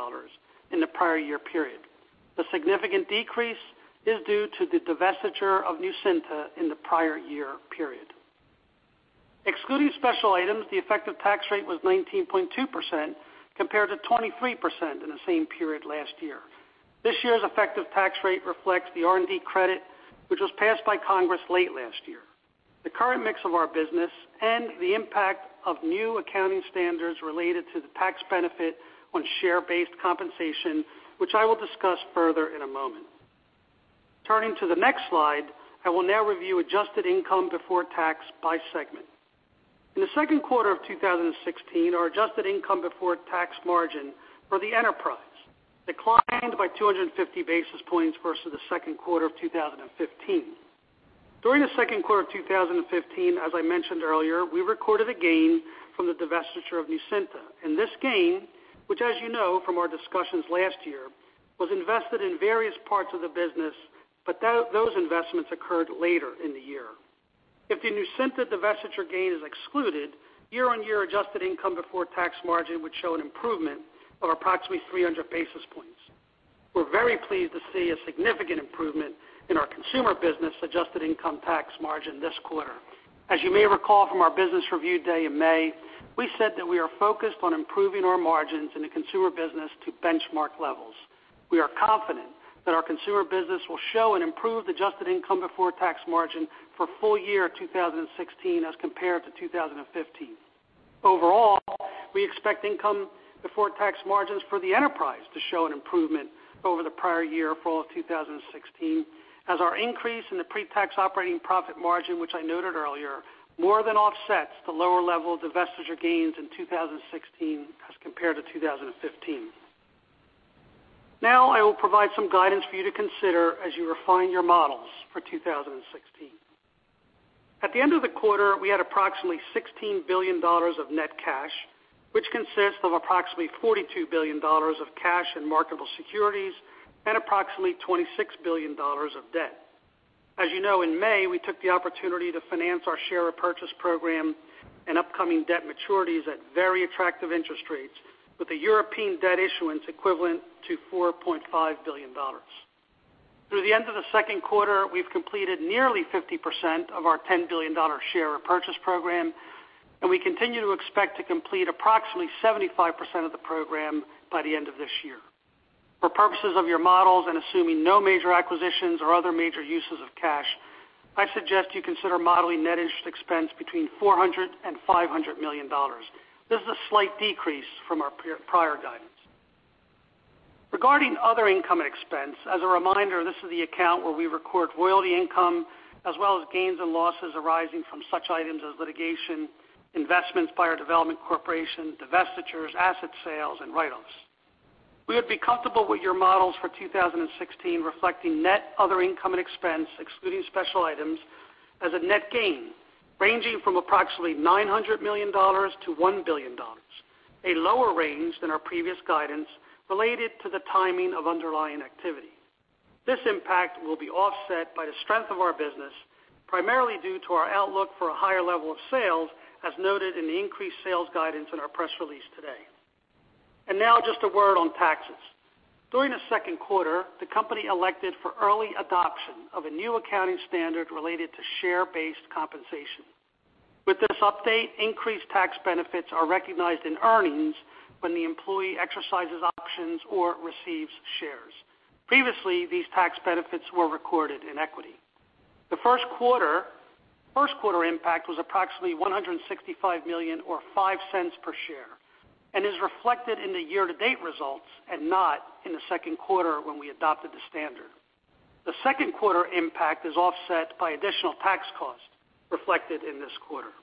Speaker 4: in the prior year period. The significant decrease is due to the divestiture of Nucynta in the prior year period. Excluding special items, the effective tax rate was 19.2% compared to 23% in the same period last year. This year's effective tax rate reflects the R&D credit, which was passed by Congress late last year. The current mix of our business and the impact of new accounting standards related to the tax benefit on share-based compensation, which I will discuss further in a moment. Turning to the next slide, I will now review adjusted income before tax by segment. In the second quarter of 2016, our adjusted income before tax margin for the enterprise declined by 250 basis points versus the second quarter of 2015. During the second quarter of 2015, as I mentioned earlier, we recorded a gain from the divestiture of Nucynta. This gain, which as you know from our discussions last year, was invested in various parts of the business, but those investments occurred later in the year. If the Nucynta divestiture gain is excluded, year-on-year adjusted income before tax margin would show an improvement of approximately 300 basis points. We are very pleased to see a significant improvement in our Consumer business adjusted income tax margin this quarter. As you may recall from our business review day in May, we said that we are focused on improving our margins in the Consumer business to benchmark levels. We are confident that our Consumer business will show an improved adjusted income before tax margin for full year 2016 as compared to 2015. Overall, we expect income before tax margins for the enterprise to show an improvement over the prior year full of 2016 as our increase in the pre-tax operating profit margin, which I noted earlier, more than offsets the lower level divestiture gains in 2016 as compared to 2015. Now I will provide some guidance for you to consider as you refine your models for 2016. At the end of the quarter, we had approximately $16 billion of net cash, which consists of approximately $42 billion of cash and marketable securities and approximately $26 billion of debt. As you know, in May, we took the opportunity to finance our share repurchase program and upcoming debt maturities at very attractive interest rates with a European debt issuance equivalent to $4.5 billion. Through the end of the second quarter, we've completed nearly 50% of our $10 billion share repurchase program, and we continue to expect to complete approximately 75% of the program by the end of this year. For purposes of your models and assuming no major acquisitions or other major uses of cash, I suggest you consider modeling net interest expense between $400 million and $500 million. This is a slight decrease from our prior guidance. Regarding other income expense, as a reminder, this is the account where we record royalty income as well as gains and losses arising from such items as litigation, investments by our development corporation, divestitures, asset sales, and write-offs. We would be comfortable with your models for 2016 reflecting net other income and expense, excluding special items as a net gain ranging from approximately $900 million-$1 billion, a lower range than our previous guidance related to the timing of underlying activity. This impact will be offset by the strength of our business, primarily due to our outlook for a higher level of sales, as noted in the increased sales guidance in our press release today. Now just a word on taxes. During the second quarter, the company elected for early adoption of a new accounting standard related to share-based compensation. With this update, increased tax benefits are recognized in earnings when the employee exercises options or receives shares. Previously, these tax benefits were recorded in equity. The first quarter impact was approximately $165 million or $0.05 per share and is reflected in the year-to-date results and not in the second quarter when we adopted the standard. The second quarter impact is offset by additional tax costs reflected in this quarter.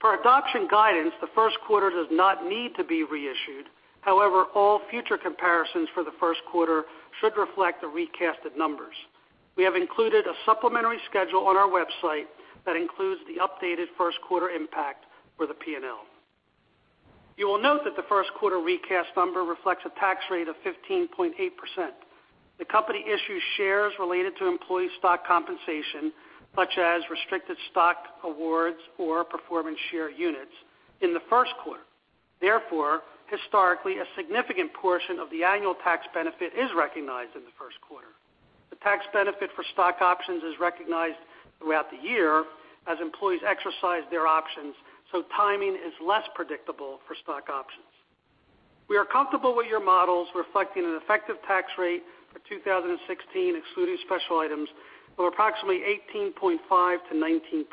Speaker 4: Per adoption guidance, the first quarter does not need to be reissued. However, all future comparisons for the first quarter should reflect the recasted numbers. We have included a supplementary schedule on our website that includes the updated first quarter impact for the P&L. You will note that the first quarter recast number reflects a tax rate of 15.8%. The company issues shares related to employee stock compensation, such as restricted stock awards or performance share units in the first quarter. Therefore, historically, a significant portion of the annual tax benefit is recognized in the first quarter. The tax benefit for stock options is recognized throughout the year as employees exercise their options, so timing is less predictable for stock options. We are comfortable with your models reflecting an effective tax rate for 2016, excluding special items, of approximately 18.5%-19%,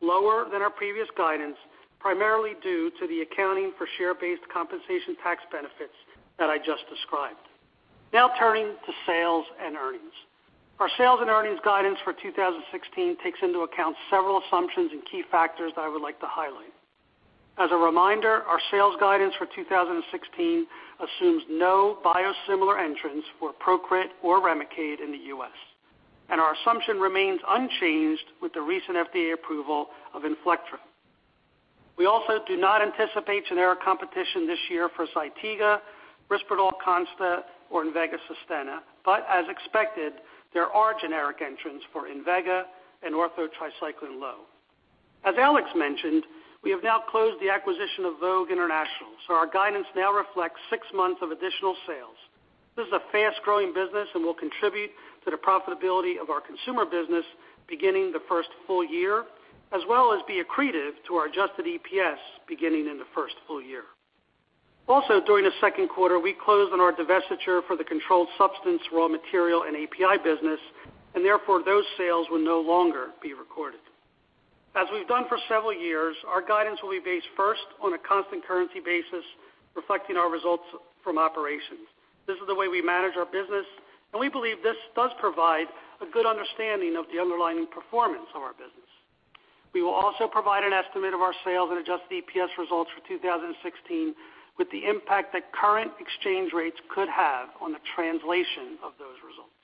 Speaker 4: lower than our previous guidance, primarily due to the accounting for share-based compensation tax benefits that I just described. Now turning to sales and earnings. Our sales and earnings guidance for 2016 takes into account several assumptions and key factors that I would like to highlight. As a reminder, our sales guidance for 2016 assumes no biosimilar entrants for PROCRIT or REMICADE in the U.S., and our assumption remains unchanged with the recent FDA approval of Inflectra. We also do not anticipate generic competition this year for ZYTIGA, RISPERDAL CONSTA, or INVEGA SUSTENNA. But as expected, there are generic entrants for INVEGA and Ortho Tri-Cyclen Lo. As Alex mentioned, we have now closed the acquisition of Vogue International, so our guidance now reflects six months of additional sales. This is a fast-growing business and will contribute to the profitability of our Consumer business beginning the first full year, as well as be accretive to our adjusted EPS beginning in the first full year. Also, during the second quarter, we closed on our divestiture for the controlled substance, raw material, and API business, and therefore, those sales will no longer be recorded. As we've done for several years, our guidance will be based first on a constant currency basis, reflecting our results from operations. This is the way we manage our business, and we believe this does provide a good understanding of the underlying performance of our business. We will also provide an estimate of our sales and adjusted EPS results for 2016 with the impact that current exchange rates could have on the translation of those results.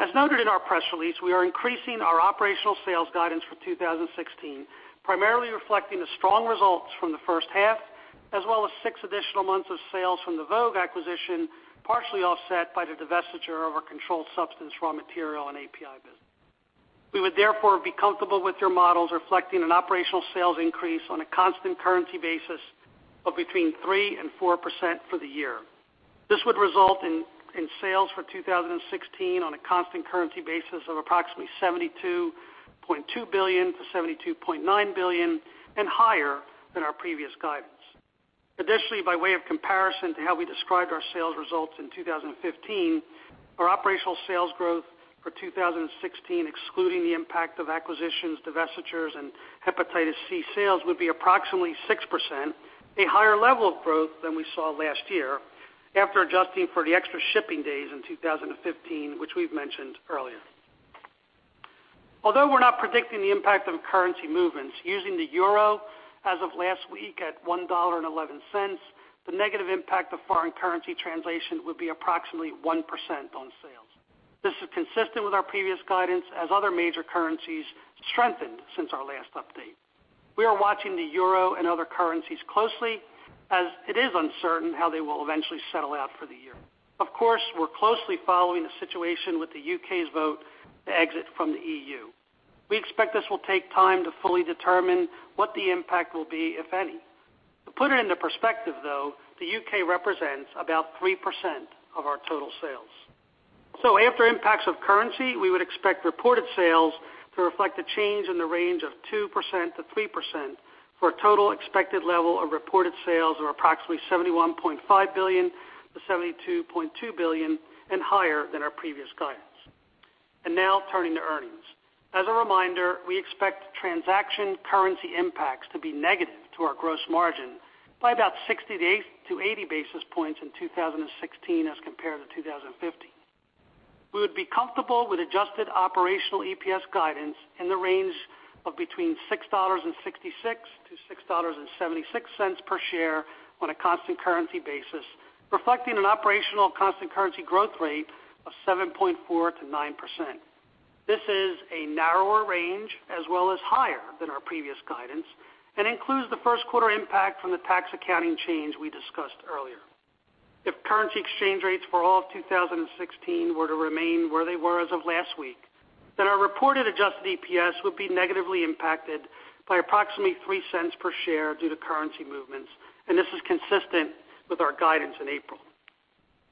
Speaker 4: As noted in our press release, we are increasing our operational sales guidance for 2016, primarily reflecting the strong results from the first half as well as six additional months of sales from the Vogue International acquisition, partially offset by the divestiture of our controlled substance raw material and API business. We would therefore be comfortable with your models reflecting an operational sales increase on a constant currency basis of between 3% and 4% for the year. This would result in sales for 2016 on a constant currency basis of approximately $72.2 billion-$72.9 billion and higher than our previous guidance. Additionally, by way of comparison to how we described our sales results in 2015, our operational sales growth for 2016, excluding the impact of acquisitions, divestitures and hepatitis C sales, would be approximately 6%, a higher level of growth than we saw last year, after adjusting for the extra shipping days in 2015, which we've mentioned earlier. Although we're not predicting the impact of currency movements using the euro as of last week at $1.11, the negative impact of foreign currency translation would be approximately 1% on sales. This is consistent with our previous guidance as other major currencies strengthened since our last update. We are watching the euro and other currencies closely as it is uncertain how they will eventually settle out for the year. Of course, we're closely following the situation with the U.K.'s vote to exit from the EU. We expect this will take time to fully determine what the impact will be, if any. To put it into perspective, though, the U.K. represents about 3% of our total sales. After impacts of currency, we would expect reported sales to reflect a change in the range of 2%-3% for a total expected level of reported sales of approximately $71.5 billion-$72.2 billion and higher than our previous guidance. Now turning to earnings. As a reminder, we expect transaction currency impacts to be negative to our gross margin by about 60 to 80 basis points in 2016 as compared to 2015. We would be comfortable with adjusted operational EPS guidance in the range of between $6.66-$6.76 per share on a constant currency basis, reflecting an operational constant currency growth rate of 7.4%-9%. This is a narrower range as well as higher than our previous guidance and includes the first quarter impact from the tax accounting change we discussed earlier. If currency exchange rates for all of 2016 were to remain where they were as of last week, then our reported adjusted EPS would be negatively impacted by approximately $0.03 per share due to currency movements, this is consistent with our guidance in April.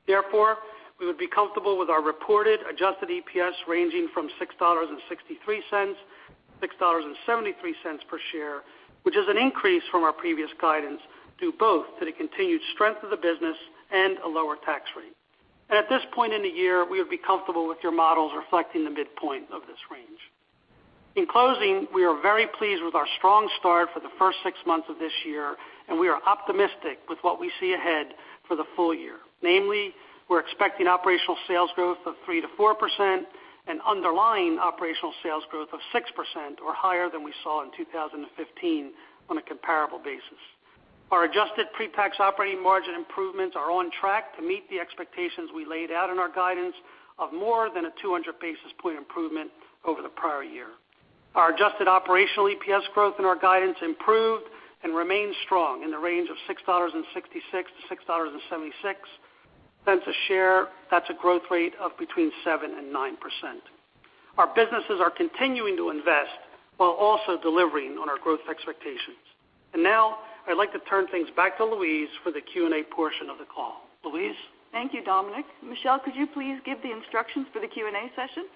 Speaker 4: Therefore, we would be comfortable with our reported adjusted EPS ranging from $6.63-$6.73 per share, which is an increase from our previous guidance due both to the continued strength of the business and a lower tax rate. At this point in the year, we would be comfortable with your models reflecting the midpoint of this range. In closing, we are very pleased with our strong start for the first six months of this year, and we are optimistic with what we see ahead for the full year. Namely, we're expecting operational sales growth of 3%-4% and underlying operational sales growth of 6% or higher than we saw in 2015 on a comparable basis. Our adjusted pre-tax operating margin improvements are on track to meet the expectations we laid out in our guidance of more than a 200 basis point improvement over the prior year. Our adjusted operational EPS growth in our guidance improved and remains strong in the range of $6.66 to $6.76 a share. That's a growth rate of between 7% and 9%. Our businesses are continuing to invest while also delivering on our growth expectations. Now I'd like to turn things back to Louise for the Q&A portion of the call. Louise?
Speaker 2: Thank you, Dominic. Michelle, could you please give the instructions for the Q&A session?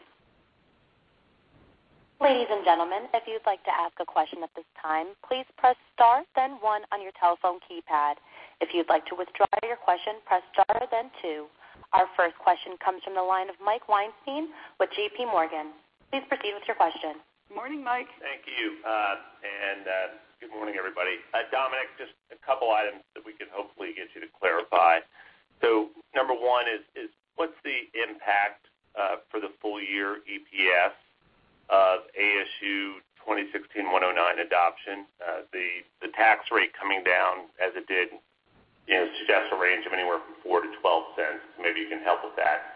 Speaker 1: Ladies and gentlemen, if you'd like to ask a question at this time, please press star then one on your telephone keypad. If you'd like to withdraw your question, press star then two. Our first question comes from the line of Michael Weinstein with JPMorgan. Please proceed with your question.
Speaker 2: Morning, Mike.
Speaker 5: Thank you. Good morning, everybody. Dominic, just a couple items that we could hopefully get you to clarify. Number one is, what's the impact for the full year EPS of ASU 2016-09 adoption? The tax rate coming down as it did, suggests a range of anywhere from $0.04 to $0.12. Maybe you can help with that.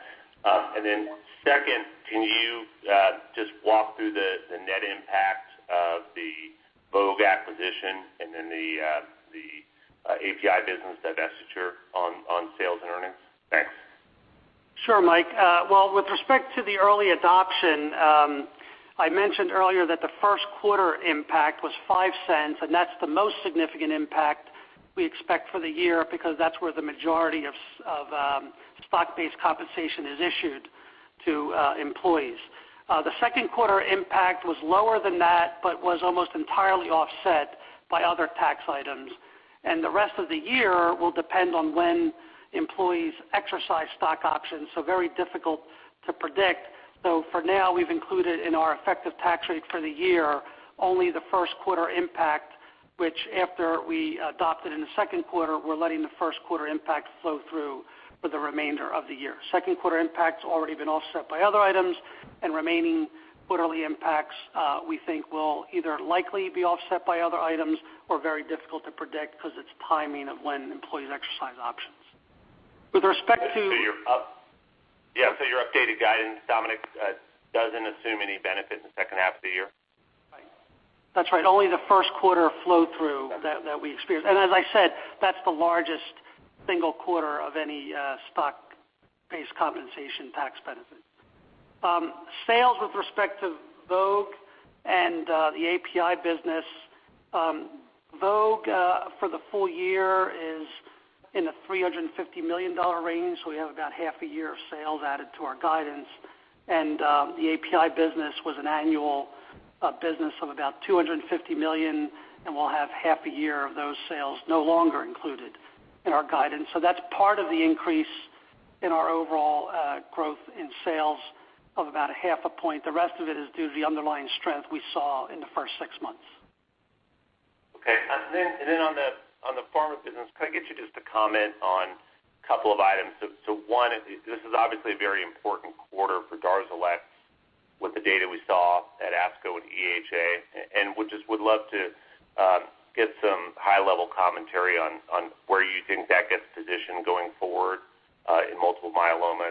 Speaker 5: Second, can you just walk through the net impact of the Vogue International acquisition and then the API business divestiture on sales and earnings? Thanks.
Speaker 4: Sure, Mike. Well, with respect to the early adoption, I mentioned earlier that the first quarter impact was $0.05, and that's the most significant impact we expect for the year because that's where the majority of stock-based compensation is issued to employees. The second quarter impact was lower than that but was almost entirely offset by other tax items. The rest of the year will depend on when employees exercise stock options, so very difficult to predict. For now, we've included in our effective tax rate for the year, only the first quarter impact, which after we adopted in the second quarter, we're letting the first quarter impact flow through for the remainder of the year. Second quarter impact's already been offset by other items. Remaining quarterly impacts we think will either likely be offset by other items or very difficult to predict because it's timing of when employees exercise options.
Speaker 5: You're up
Speaker 4: Right. That's right. Only the first quarter flow-through that we experienced. As I said, that's the largest single quarter of any stock-based compensation tax benefit. Sales with respect to Vogue and the API business. Vogue, for the full year, is in the $350 million range. We have about half a year of sales added to our guidance. The API business was an annual business of about $250 million, and we'll have half a year of those sales no longer included in our guidance. That's part of the increase in our overall growth in sales of about half a point. The rest of it is due to the underlying strength we saw in the first six months.
Speaker 5: Okay. On the pharma business, could I get you just to comment on a couple of items? One, this is obviously a very important quarter for DARZALEX with the data we saw at ASCO and EHA. We just would love to get some high-level commentary on where you think that gets positioned going forward in multiple myeloma.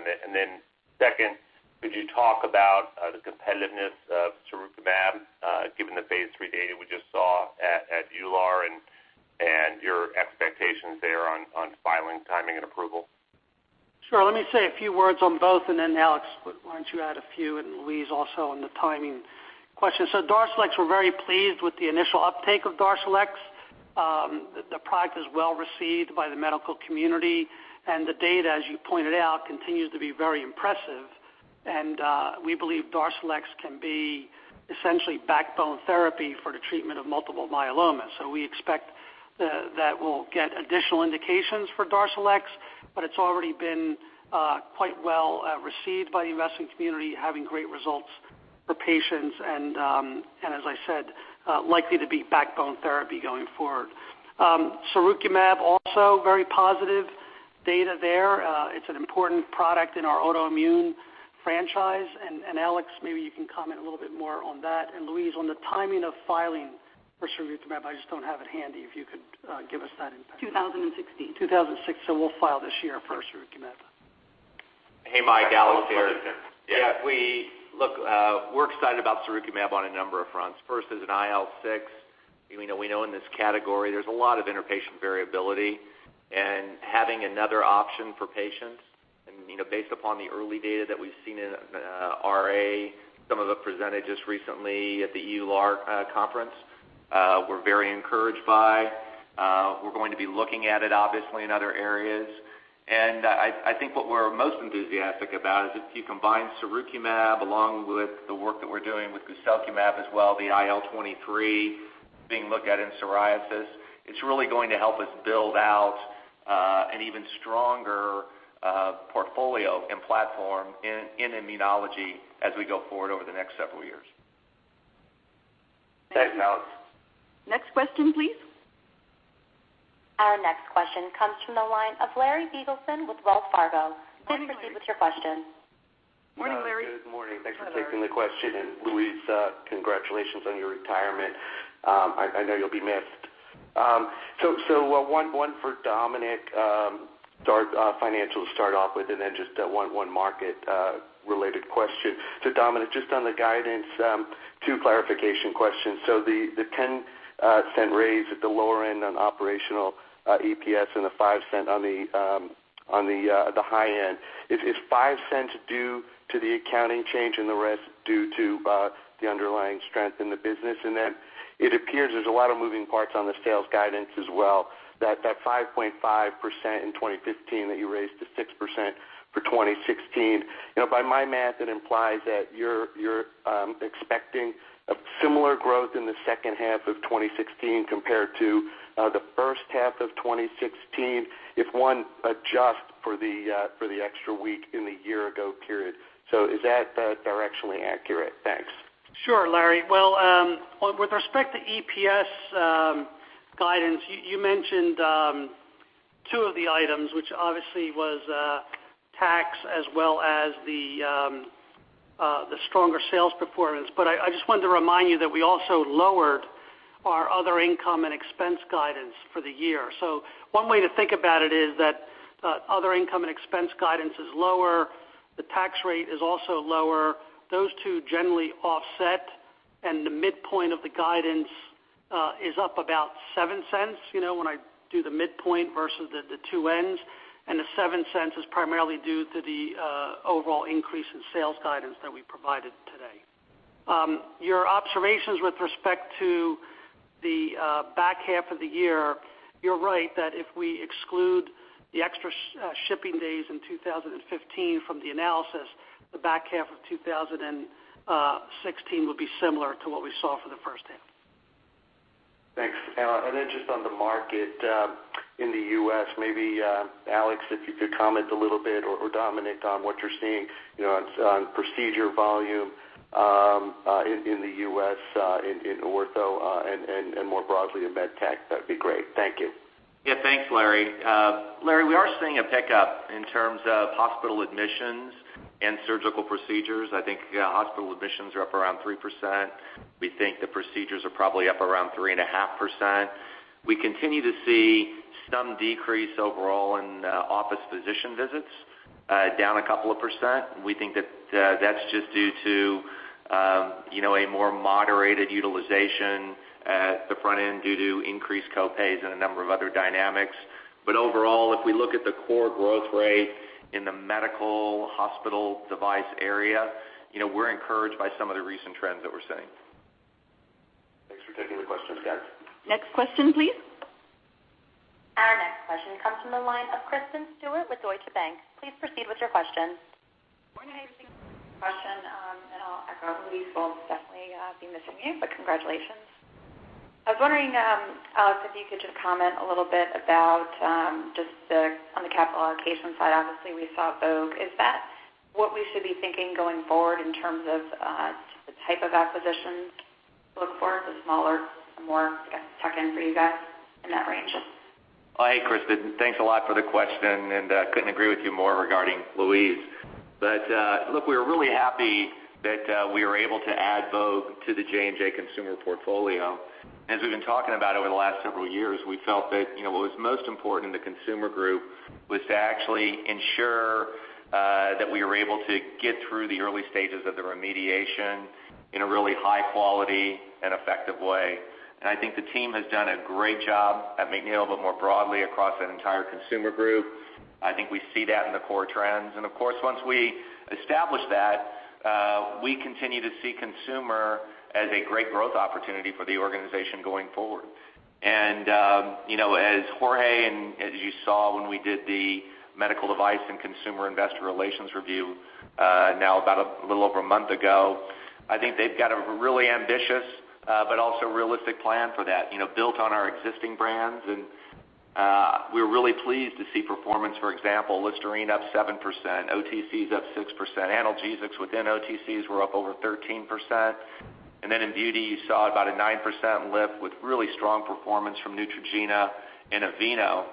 Speaker 5: Second, could you talk about the competitiveness of sirukumab, given the phase III data we just saw at EULAR, and your expectations there on filing timing and approval?
Speaker 4: Sure. Let me say a few words on both. Alex, why don't you add a few, and Louise also on the timing question. DARZALEX, we're very pleased with the initial uptake of DARZALEX. The product is well-received by the medical community. The data, as you pointed out, continues to be very impressive. We believe DARZALEX can be essentially backbone therapy for the treatment of multiple myeloma. We expect that we'll get additional indications for DARZALEX, but it's already been quite well received by the investing community, having great results for patients, and as I said, likely to be backbone therapy going forward. sirukumab, also very positive data there. It's an important product in our autoimmune franchise. Alex, maybe you can comment a little bit more on that. Louise, on the timing of filing for sirukumab, I just don't have it handy, if you could give us that impact.
Speaker 2: 2016.
Speaker 4: 2016. We'll file this year for sirukumab.
Speaker 3: Hey, Mike, Alex, here.
Speaker 4: Sorry.
Speaker 3: Yeah. Look, we're excited about sirukumab on a number of fronts. First, as an IL-6, we know in this category, there's a lot of interpatient variability, and having another option for patients, based upon the early data that we've seen in RA, some of it presented just recently at the EULAR conference. We're very encouraged by. We're going to be looking at it obviously in other areas. I think what we're most enthusiastic about is if you combine sirukumab along with the work that we're doing with guselkumab as well, the IL-23 being looked at in psoriasis, it's really going to help us build out an even stronger portfolio and platform in immunology as we go forward over the next several years. Thanks, Alex.
Speaker 2: Next question, please.
Speaker 1: Our next question comes from the line of Larry Biegelsen with Wells Fargo. Please proceed with your question.
Speaker 4: Morning, Larry.
Speaker 2: Morning.
Speaker 4: Hi, Larry.
Speaker 6: Good morning. Thanks for taking the question. Louise, congratulations on your retirement. I know you'll be missed. One for Dominic, financials to start off with, just one market-related question. Dominic, just on the guidance, two clarification questions. The $0.10 raise at the lower end on operational EPS and the $0.05 on the high end. Is $0.05 due to the accounting change and the rest due to the underlying strength in the business? It appears there's a lot of moving parts on the sales guidance as well, that 5.5% in 2015 that you raised to 6% for 2016. By my math, it implies that you're expecting a similar growth in the second half of 2016 compared to the first half of 2016 if one adjusts for the extra week in the year ago period. Is that directionally accurate? Thanks.
Speaker 4: Sure, Larry. Well, with respect to EPS guidance, you mentioned two of the items, which obviously was tax as well as the stronger sales performance. I just wanted to remind you that we also lowered our other income and expense guidance for the year. One way to think about it is that other income and expense guidance is lower. The tax rate is also lower. Those two generally offset, and the midpoint of the guidance is up about $0.07, when I do the midpoint versus the two ends, and the $0.07 is primarily due to the overall increase in sales guidance that we provided today. Your observations with respect to the back half of the year, you're right that if we exclude the extra shipping days in 2015 from the analysis, the back half of 2016 will be similar to what we saw for the first half.
Speaker 6: Thanks. Just on the market in the U.S., maybe Alex, if you could comment a little bit, or Dominic, on what you're seeing on procedure volume in the U.S. in ortho and more broadly in med tech, that'd be great. Thank you.
Speaker 3: Yeah. Thanks, Larry. Larry, we are seeing a pickup in terms of hospital admissions and surgical procedures. I think hospital admissions are up around 3%. We think the procedures are probably up around 3.5%. We continue to see some decrease overall in office physician visits down a couple of percent. We think that's just due to a more moderated utilization at the front end due to increased co-pays and a number of other dynamics. Overall, if we look at the core growth rate in the medical hospital device area, we're encouraged by some of the recent trends that we're seeing.
Speaker 6: Thanks for taking the question, Dom.
Speaker 2: Next question, please.
Speaker 1: Our next question comes from the line of Kristen Stewart with Deutsche Bank. Please proceed with your questions.
Speaker 7: Good morning. Thanks for the question. I'll echo Louise. We'll definitely be missing you, but congratulations. I was wondering, Alex, if you could just comment a little bit about just on the capital allocation side, obviously we saw Vogue. Is that what we should be thinking going forward in terms of the type of acquisitions to look for, the smaller, more tuck-in for you guys in that range?
Speaker 3: Hey, Kristen. Thanks a lot for the question. Couldn't agree with you more regarding Louise. Look, we were really happy that we were able to add Vogue to the J&J Consumer portfolio. As we've been talking about over the last several years, we felt that what was most important in the consumer group was to actually ensure that we were able to get through the early stages of the remediation in a really high quality and effective way. I think the team has done a great job at McNeil, but more broadly across that entire consumer group. I think we see that in the core trends. Of course, once we establish that, we continue to see consumer as a great growth opportunity for the organization going forward. As Jorge, and as you saw when we did the medical device and consumer investor relations review now about a little over a month ago, I think they've got a really ambitious but also realistic plan for that, built on our existing brands. We're really pleased to see performance. For example, Listerine up 7%, OTCs up 6%, analgesics within OTCs were up over 13%. Then in beauty, you saw about a 9% lift with really strong performance from Neutrogena and Aveeno.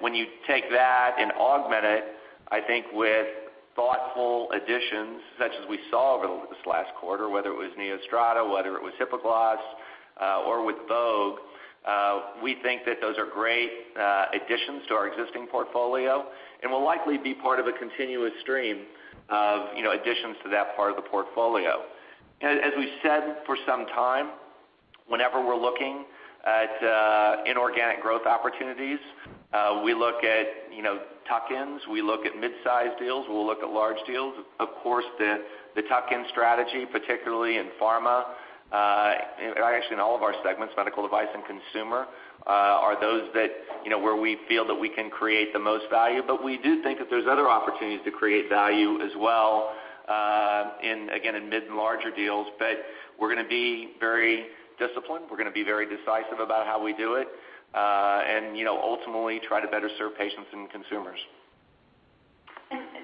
Speaker 3: When you take that and augment it, I think with thoughtful additions such as we saw over this last quarter, whether it was NeoStrata, whether it was Hipoglós or with Vogue, we think that those are great additions to our existing portfolio and will likely be part of a continuous stream of additions to that part of the portfolio. As we've said for some time, whenever we're looking at inorganic growth opportunities we look at tuck-ins, we look at mid-size deals, we'll look at large deals. Of course, the tuck-in strategy, particularly in pharma, actually in all of our segments, medical device and consumer, are those that where we feel that we can create the most value. We do think that there's other opportunities to create value as well in, again, in mid and larger deals. We're going to be very disciplined. We're going to be very decisive about how we do it. Ultimately try to better serve patients and consumers.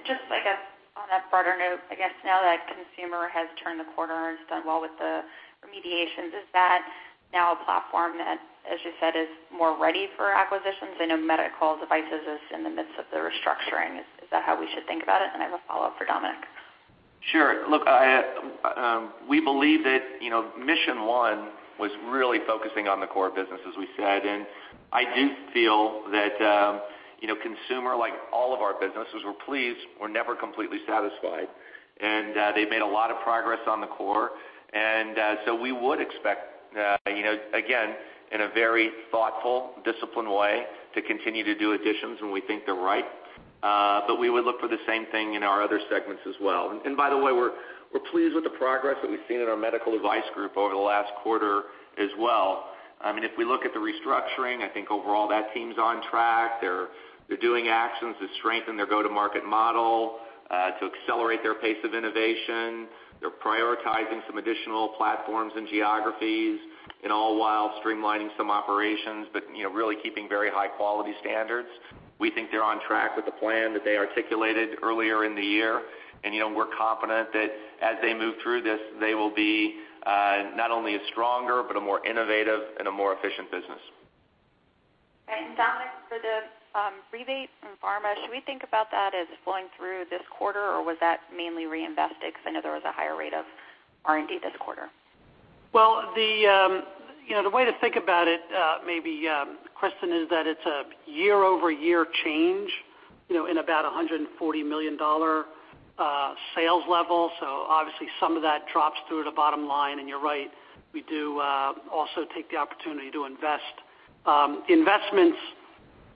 Speaker 7: Just, I guess on that broader note, I guess now that consumer has turned the corner and has done well with the remediations, is that now a platform that, as you said, is more ready for acquisitions? I know medical devices is in the midst of the restructuring. Is that how we should think about it? I have a follow-up for Dominic.
Speaker 3: Sure. Look, we believe that mission one was really focusing on the core business, as we said. I do feel that consumer, like all of our businesses, we're pleased, we're never completely satisfied. They've made a lot of progress on the core. We would expect again, in a very thoughtful, disciplined way, to continue to do additions when we think they're right. We would look for the same thing in our other segments as well. By the way, we're pleased with the progress that we've seen in our medical device group over the last quarter as well. If we look at the restructuring, I think overall that team's on track. They're doing actions to strengthen their go-to-market model to accelerate their pace of innovation. They're prioritizing some additional platforms and geographies and all while streamlining some operations, but really keeping very high quality standards. We think they're on track with the plan that they articulated earlier in the year. We're confident that as they move through this, they will be not only a stronger, but a more innovative and a more efficient business.
Speaker 7: Dominic, for the rebate in pharma, should we think about that as flowing through this quarter? Or was that mainly reinvested? Because I know there was a higher rate of R&D this quarter.
Speaker 4: Well, the way to think about it maybe, Kristen, is that it's a year-over-year change in about $140 million sales level. Obviously some of that drops through to bottom line. You're right, we do also take the opportunity to invest. Investments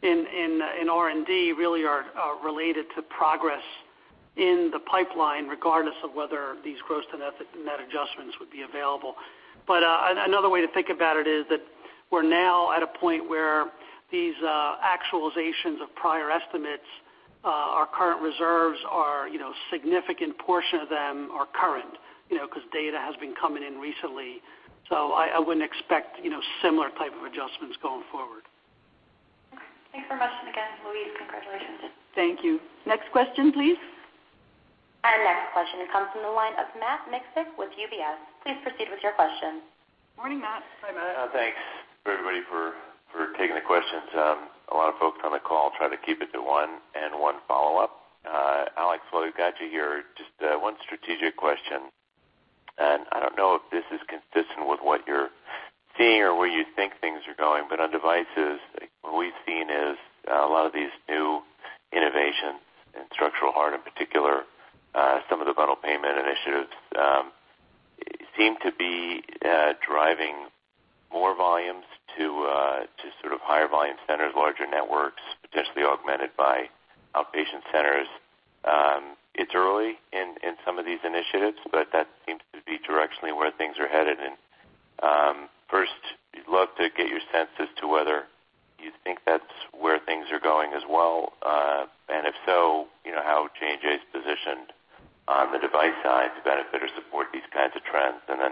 Speaker 4: in R&D really are related to progress in the pipeline regardless of whether these gross to net adjustments would be available. Another way to think about it is that we're now at a point where these actualizations of prior estimates our current reserves are significant portion of them are current because data has been coming in recently. I wouldn't expect similar type of adjustments going forward.
Speaker 7: Okay. Thanks for answering again, Louise. Congratulations.
Speaker 2: Thank you. Next question, please.
Speaker 1: Our next question comes from the line of Matt Miksic with UBS. Please proceed with your question.
Speaker 2: Morning, Matt.
Speaker 4: Hi, Matt.
Speaker 8: Thanks everybody for taking the questions. A lot of folks on the call try to keep it to one and one follow-up. Alex, while we've got you here, just one strategic question. I don't know if this is consistent with what you're seeing or where you think things are going, but on devices, what we've seen is a lot of these new innovations in structural heart in particular, some of the bundled payment initiatives seem to be driving more volumes to higher volume centers, larger networks, potentially augmented by outpatient centers. It's early in some of these initiatives, but that seems to be directionally where things are headed. First, we'd love to get your sense as to whether you think that's where things are going as well. If so, how J&J is positioned on the device side to better support these kinds of trends. I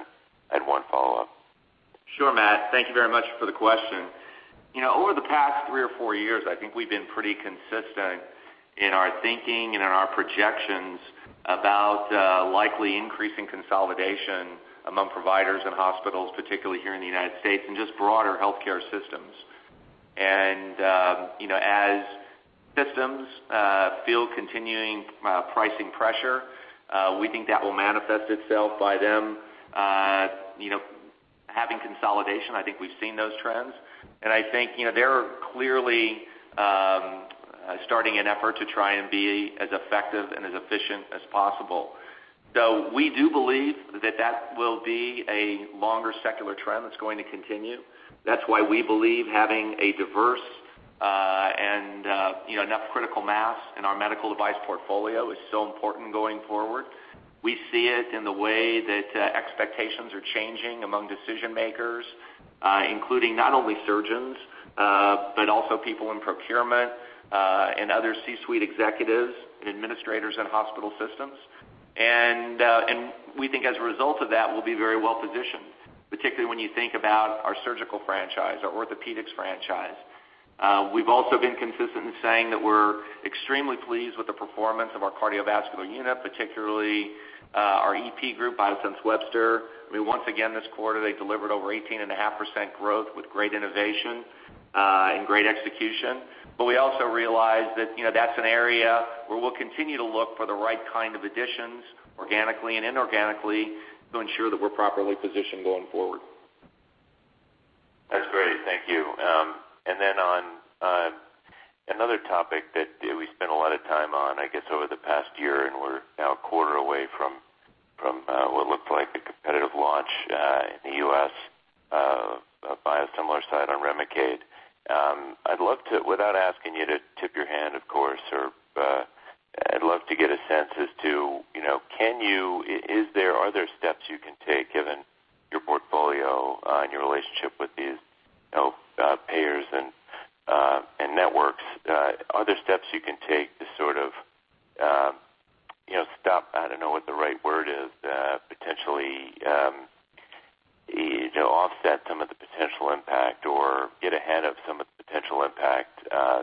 Speaker 8: had one follow-up.
Speaker 3: Sure, Matt. Thank you very much for the question. Over the past three or four years, I think we've been pretty consistent in our thinking and in our projections about likely increasing consolidation among providers and hospitals, particularly here in the United States and just broader healthcare systems. As systems feel continuing pricing pressure, we think that will manifest itself by them having consolidation. I think we've seen those trends. I think they're clearly starting an effort to try and be as effective and as efficient as possible. We do believe that that will be a longer secular trend that's going to continue. That's why we believe having a diverse and enough critical mass in our medical device portfolio is so important going forward. We see it in the way that expectations are changing among decision-makers, including not only surgeons, but also people in procurement, and other C-suite executives, and administrators in hospital systems. We think as a result of that, we'll be very well-positioned, particularly when you think about our surgical franchise, our orthopedics franchise. We've also been consistent in saying that we're extremely pleased with the performance of our cardiovascular unit, particularly our EP group, Biosense Webster. Once again, this quarter, they delivered over 18.5% growth with great innovation and great execution. We also realize that's an area where we'll continue to look for the right kind of additions, organically and inorganically, to ensure that we're properly positioned going forward.
Speaker 8: That's great. Thank you. Then on another topic that we spent a lot of time on, I guess, over the past year, and we're now a quarter away from what looked like a competitive launch in the U.S., a biosimilar side on REMICADE. I'd love to, without asking you to tip your hand, of course, I'd love to get a sense as to are there steps you can take, given your portfolio and your relationship with these health payers and networks, are there steps you can take to stop, I don't know what the right word is, potentially offset some of the potential impact or get ahead of some of the potential impact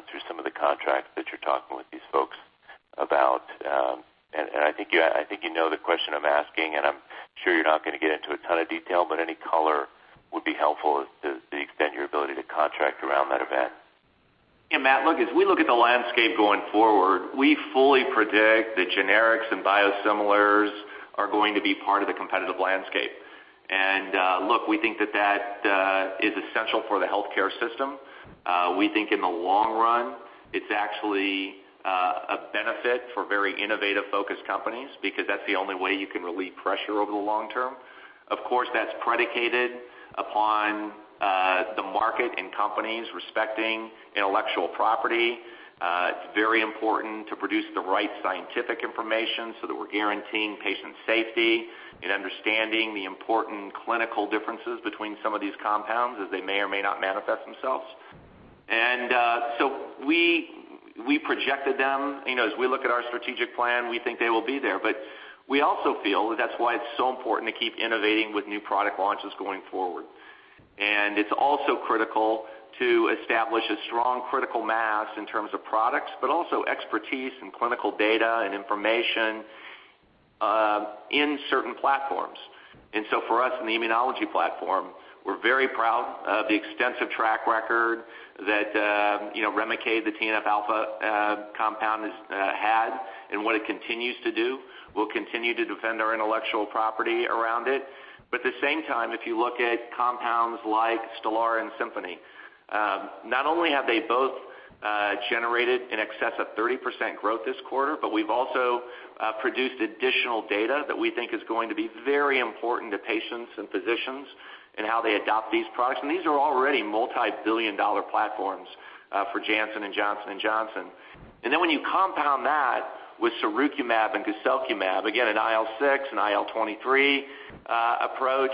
Speaker 8: through some of the contracts that you're talking with these folks about? I think you know the question I'm asking, and I'm sure you're not going to get into a ton of detail, any color would be helpful to the extent your ability to contract around that event.
Speaker 3: Yeah, Matt, look, as we look at the landscape going forward, we fully predict that generics and biosimilars are going to be part of the competitive landscape. We think that that is essential for the healthcare system. We think in the long run, it's actually a benefit for very innovative-focused companies because that's the only way you can relieve pressure over the long term. Of course, that's predicated upon the market and companies respecting intellectual property. It's very important to produce the right scientific information so that we're guaranteeing patient safety and understanding the important clinical differences between some of these compounds as they may or may not manifest themselves. So we projected them. As we look at our strategic plan, we think they will be there. We also feel that that's why it's so important to keep innovating with new product launches going forward. It's also critical to establish a strong critical mass in terms of products, but also expertise and clinical data and information in certain platforms. For us in the immunology platform, we're very proud of the extensive track record that REMICADE, the TNF-alpha compound has had and what it continues to do. We'll continue to defend our intellectual property around it. At the same time, if you look at compounds like STELARA and SIMPONI, not only have they both generated in excess of 30% growth this quarter, but we've also produced additional data that we think is going to be very important to patients and physicians in how they adopt these products. These are already multi-billion-dollar platforms for Janssen and Johnson & Johnson. When you compound that with sirukumab and guselkumab, again, an IL-6 and IL-23 approach,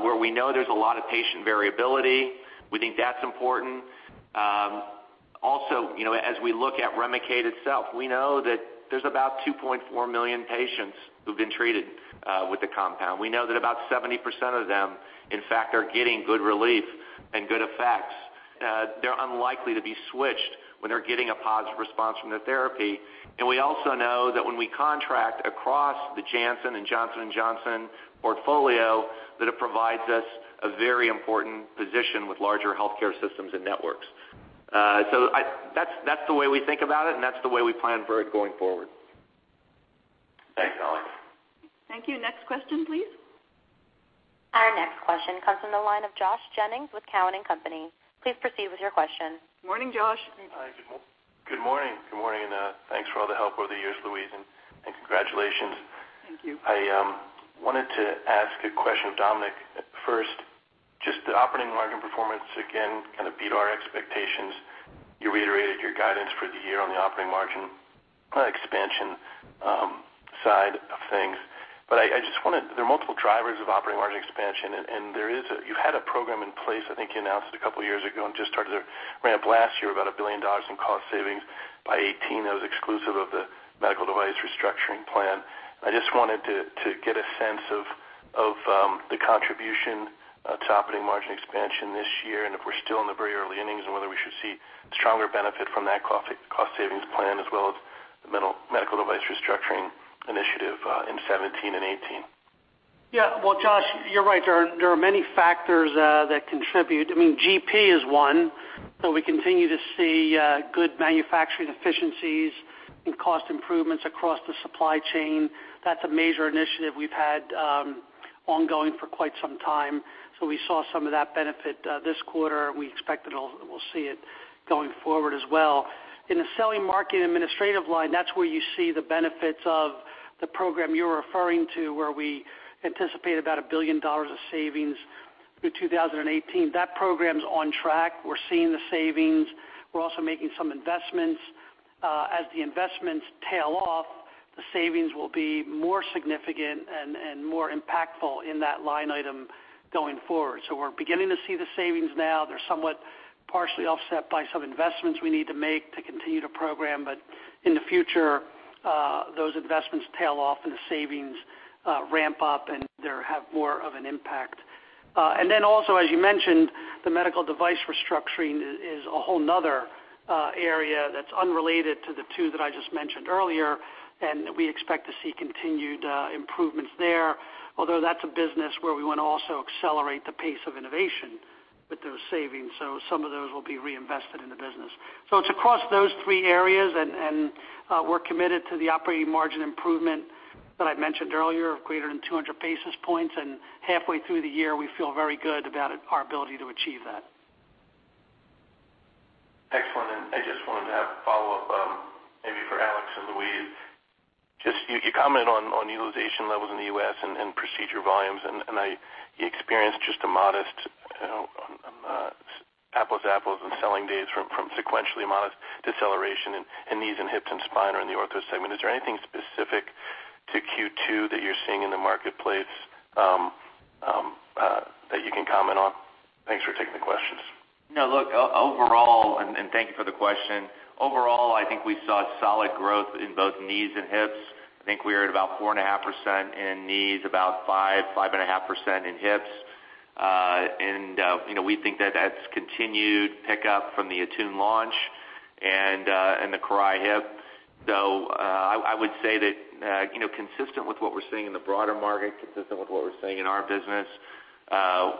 Speaker 3: where we know there's a lot of patient variability, we think that's important. Also, as we look at REMICADE itself, we know that there's about 2.4 million patients who've been treated with the compound. We know that about 70% of them, in fact, are getting good relief and good effects. They're unlikely to be switched when they're getting a positive response from their therapy. We also know that when we contract across the Janssen and Johnson & Johnson portfolio, that it provides us a very important position with larger healthcare systems and networks. That's the way we think about it, and that's the way we plan for it going forward.
Speaker 8: Thanks, Alex.
Speaker 2: Thank you. Next question, please.
Speaker 1: Our next question comes from the line of Josh Jennings with Cowen and Company. Please proceed with your question.
Speaker 2: Morning, Josh.
Speaker 9: Hi. Good morning, and thanks for all the help over the years, Louise, and congratulations.
Speaker 2: Thank you.
Speaker 9: I wanted to ask a question of Dominic first. The operating margin performance again kind of beat our expectations. You reiterated your guidance for the year on the operating margin expansion side of things. There are multiple drivers of operating margin expansion, and you had a program in place, I think you announced it a couple of years ago and just started to ramp last year, about $1 billion in cost savings by 2018. That was exclusive of the medical device restructuring plan. I just wanted to get a sense of the contribution to operating margin expansion this year, and if we're still in the very early innings and whether we should see stronger benefit from that cost savings plan as well as the medical device restructuring initiative in 2017 and 2018.
Speaker 4: Well, Josh, you're right. There are many factors that contribute. GP is one. We continue to see good manufacturing efficiencies and cost improvements across the supply chain. That's a major initiative we've had ongoing for quite some time. We saw some of that benefit this quarter. We expect that we'll see it going forward as well. In the selling, marketing, administrative line, that's where you see the benefits of the program you're referring to, where we anticipate about $1 billion of savings through 2018. That program's on track. We're seeing the savings. We're also making some investments. As the investments tail off, the savings will be more significant and more impactful in that line item going forward. We're beginning to see the savings now. They're somewhat partially offset by some investments we need to make to continue the program. In the future, those investments tail off and the savings ramp up, and they'll have more of an impact. Also, as you mentioned, the medical device restructuring is a whole other area that's unrelated to the two that I just mentioned earlier, and we expect to see continued improvements there, although that's a business where we want to also accelerate the pace of innovation with those savings. Some of those will be reinvested in the business. It's across those three areas, and we're committed to the operating margin improvement that I mentioned earlier of greater than 200 basis points. Halfway through the year, we feel very good about our ability to achieve that.
Speaker 9: Excellent. I just wanted to have a follow-up, maybe for Alex and Louise. If you could comment on utilization levels in the U.S. and procedure volumes, and you experienced just a modest, apples to apples in selling days from sequentially modest deceleration in knees and hips and spine or in the Ortho segment. Is there anything specific to Q2 that you're seeing in the marketplace that you can comment on? Thanks for taking the questions.
Speaker 3: No, look, thank you for the question. Overall, I think we saw solid growth in both knees and hips. I think we are at about 4.5% in knees, about 5%, 5.5% in hips. We think that that's continued pickup from the ATTUNE launch and the CORAIL hip. I would say that, consistent with what we're seeing in the broader market, consistent with what we're seeing in our business,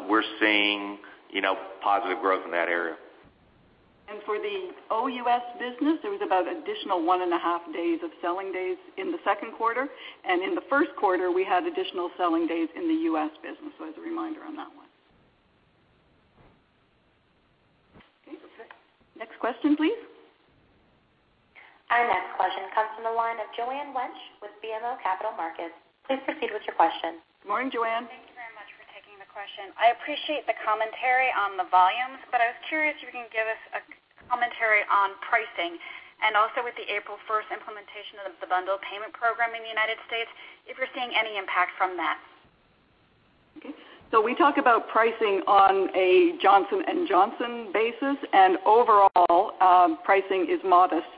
Speaker 3: we're seeing positive growth in that area.
Speaker 2: For the OUS business, there was about additional one and a half days of selling days in the second quarter. In the first quarter, we had additional selling days in the U.S. business. As a reminder on that one. Okay. Next question, please.
Speaker 1: Our next question comes from the line of Joanne Wuensch with BMO Capital Markets. Please proceed with your question.
Speaker 2: Good morning, Joanne.
Speaker 10: Thank you very much for taking the question. I appreciate the commentary on the volumes, I was curious if you can give us a commentary on pricing and also with the April 1st implementation of the bundled payment program in the United States, if you're seeing any impact from that.
Speaker 2: Okay. We talk about pricing on a Johnson & Johnson basis, overall, pricing is modest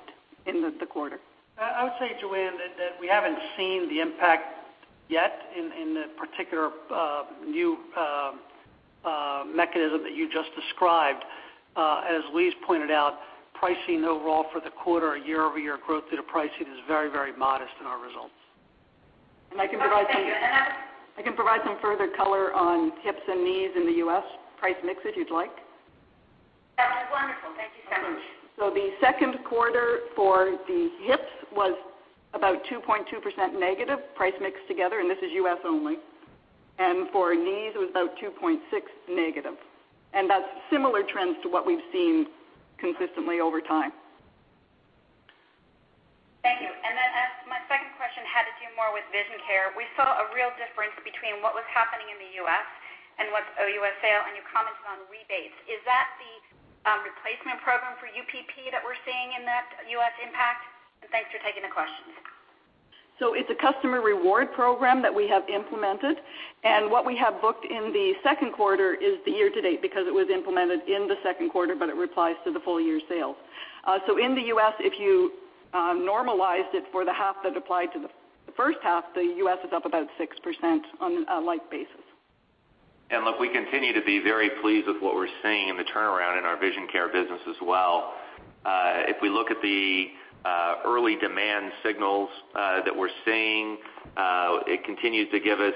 Speaker 2: in the quarter.
Speaker 4: I would say, Joanne, that we haven't seen the impact yet in the particular new mechanism that you just described. As Louise pointed out, pricing overall for the quarter, year-over-year growth through the pricing is very modest in our results.
Speaker 2: I can provide some further color on hips and knees in the U.S. price mix, if you'd like.
Speaker 10: That'd be wonderful. Thank you so much.
Speaker 2: The second quarter for the hips was about 2.2% negative price mix together, and this is U.S. only. For knees, it was about 2.6% negative. That's similar trends to what we've seen consistently over time.
Speaker 10: Thank you. My second question had to do more with Vision Care. We saw a real difference between what was happening in the U.S. and what's OUS sale, and you commented on rebates. Is that the replacement program for UPP that we're seeing in that U.S. impact? Thanks for taking the questions.
Speaker 2: It's a customer reward program that we have implemented, and what we have booked in the second quarter is the year to date because it was implemented in the second quarter, but it applies to the full-year sales. In the U.S., if you normalized it for the half that applied to the first half, the U.S. is up about 6% on a like basis.
Speaker 3: Look, we continue to be very pleased with what we're seeing in the turnaround in our Vision Care business as well. If we look at the early demand signals that we're seeing, it continues to give us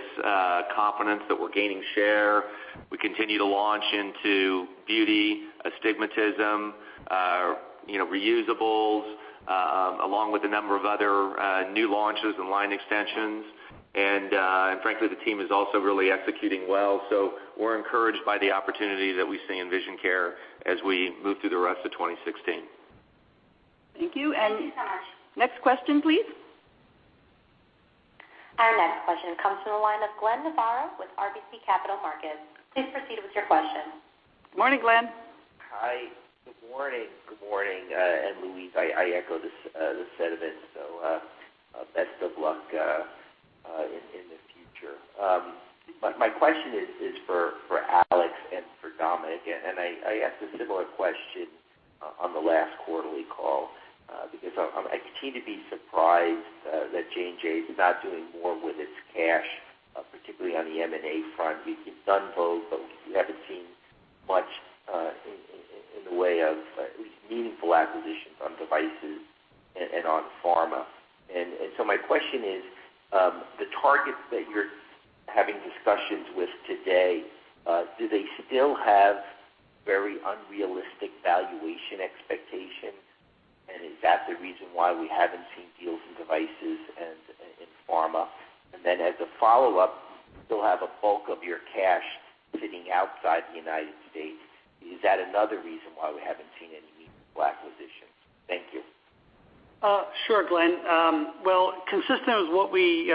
Speaker 3: confidence that we're gaining share. We continue to launch into beauty, astigmatism, reusables, along with a number of other new launches and line extensions. Frankly, the team is also really executing well. We're encouraged by the opportunity that we see in Vision Care as we move through the rest of 2016.
Speaker 2: Thank you.
Speaker 1: Thank you so much.
Speaker 2: Next question, please.
Speaker 1: Our next question comes from the line of Glenn Novarro with RBC Capital Markets. Please proceed with your question.
Speaker 2: Morning, Glenn.
Speaker 11: Hi, good morning. Louise, I echo the sentiment, so best of luck in the future. My question is for Alex and for Dominic, I asked a similar question on the last quarterly call, because I continue to be surprised that J&J is not doing more with its cash, particularly on the M&A front. You've done Vogue, but we haven't seen much in the way of at least meaningful acquisitions on devices and on pharma. My question is, the targets that you're having discussions with today, do they still have very unrealistic valuation expectations? Is that the reason why we haven't seen deals in devices and in pharma? As a follow-up, you still have a bulk of your cash sitting outside the United States. Is that another reason why we haven't seen any meaningful acquisitions? Thank you.
Speaker 4: Sure, Glenn. Consistent with what we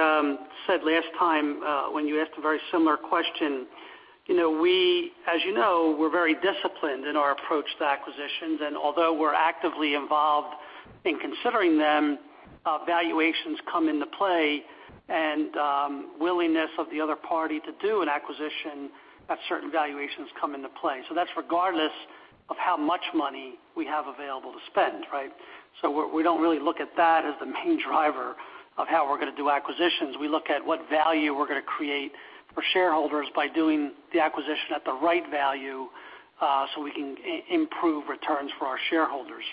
Speaker 4: said last time when you asked a very similar question, as you know, we're very disciplined in our approach to acquisitions, and although we're actively involved in considering them, valuations come into play and willingness of the other party to do an acquisition at certain valuations come into play. That's regardless of how much money we have available to spend, right? We don't really look at that as the main driver of how we're going to do acquisitions. We look at what value we're going to create for shareholders by doing the acquisition at the right value, so we can improve returns for our shareholders.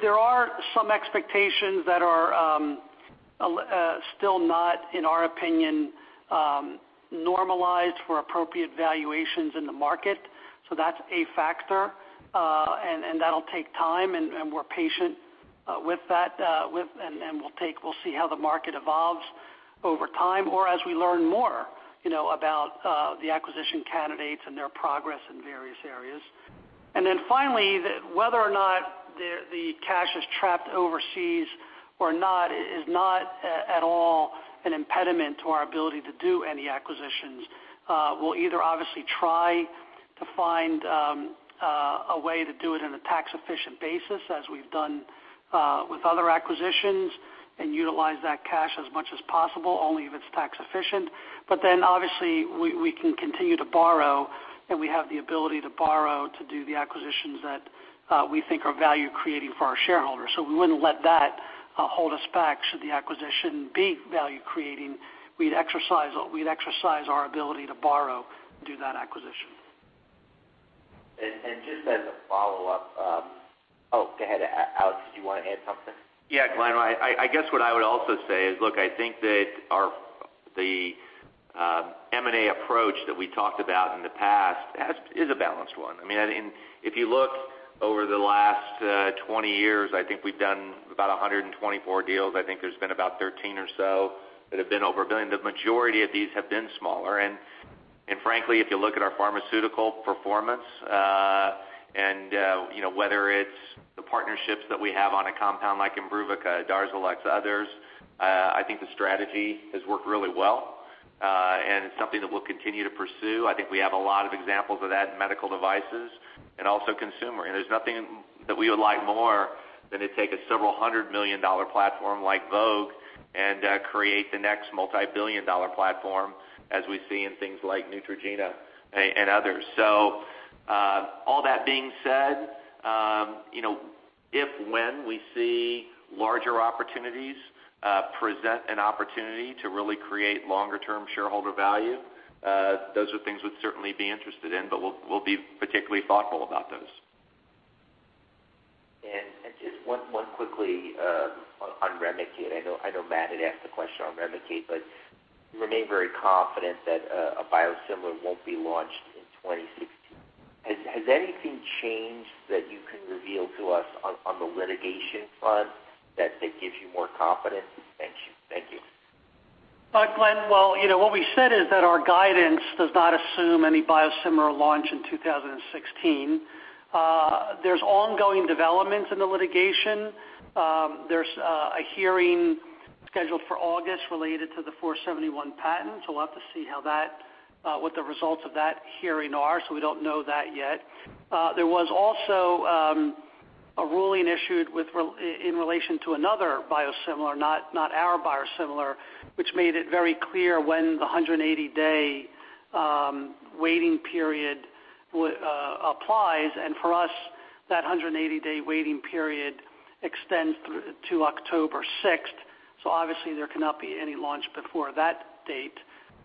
Speaker 4: There are some expectations that are still not, in our opinion, normalized for appropriate valuations in the market. That's a factor, and that'll take time, and we're patient with that. We'll see how the market evolves over time or as we learn more about the acquisition candidates and their progress in various areas. Finally, whether or not the cash is trapped overseas or not is not at all an impediment to our ability to do any acquisitions. We'll either obviously try to find a way to do it in a tax-efficient basis as we've done with other acquisitions, and utilize that cash as much as possible, only if it's tax efficient. Obviously we can continue to borrow, and we have the ability to borrow to do the acquisitions that we think are value creating for our shareholders. We wouldn't let that hold us back should the acquisition be value creating. We'd exercise our ability to borrow and do that acquisition.
Speaker 11: Just as a follow-up, go ahead, Alex, did you want to add something?
Speaker 3: Yeah, Glenn, I guess what I would also say is, look, I think that the M&A approach that we talked about in the past is a balanced one. If you look over the last 20 years, I think we've done about 124 deals. I think there's been about 13 or so that have been over $1 billion. The majority of these have been smaller. Frankly, if you look at our pharmaceutical performance, and whether it's the partnerships that we have on a compound like IMBRUVICA, DARZALEX, others, I think the strategy has worked really well, and it's something that we'll continue to pursue. I think we have a lot of examples of that in medical devices and also consumer. There's nothing that we would like more than to take a several hundred million dollar platform like Vogue and create the next multi-billion dollar platform, as we see in things like Neutrogena and others. All that being said if when we see larger opportunities present an opportunity to really create longer-term shareholder value, those are things we'd certainly be interested in, but we'll be particularly thoughtful about those.
Speaker 11: Just one quickly on REMICADE. I know Matt had asked a question on REMICADE, you remain very confident that a biosimilar won't be launched in 2016. Has anything changed that you can reveal to us on the litigation front that gives you more confidence? Thank you.
Speaker 4: Glenn, what we said is that our guidance does not assume any biosimilar launch in 2016. There's ongoing developments in the litigation. There's a hearing scheduled for August related to the '471 patent, we'll have to see what the results of that hearing are, we don't know that yet. There was also a ruling issued in relation to another biosimilar, not our biosimilar, which made it very clear when the 180-day waiting period applies. For us, that 180-day waiting period extends to October 6th. Obviously, there cannot be any launch before that date.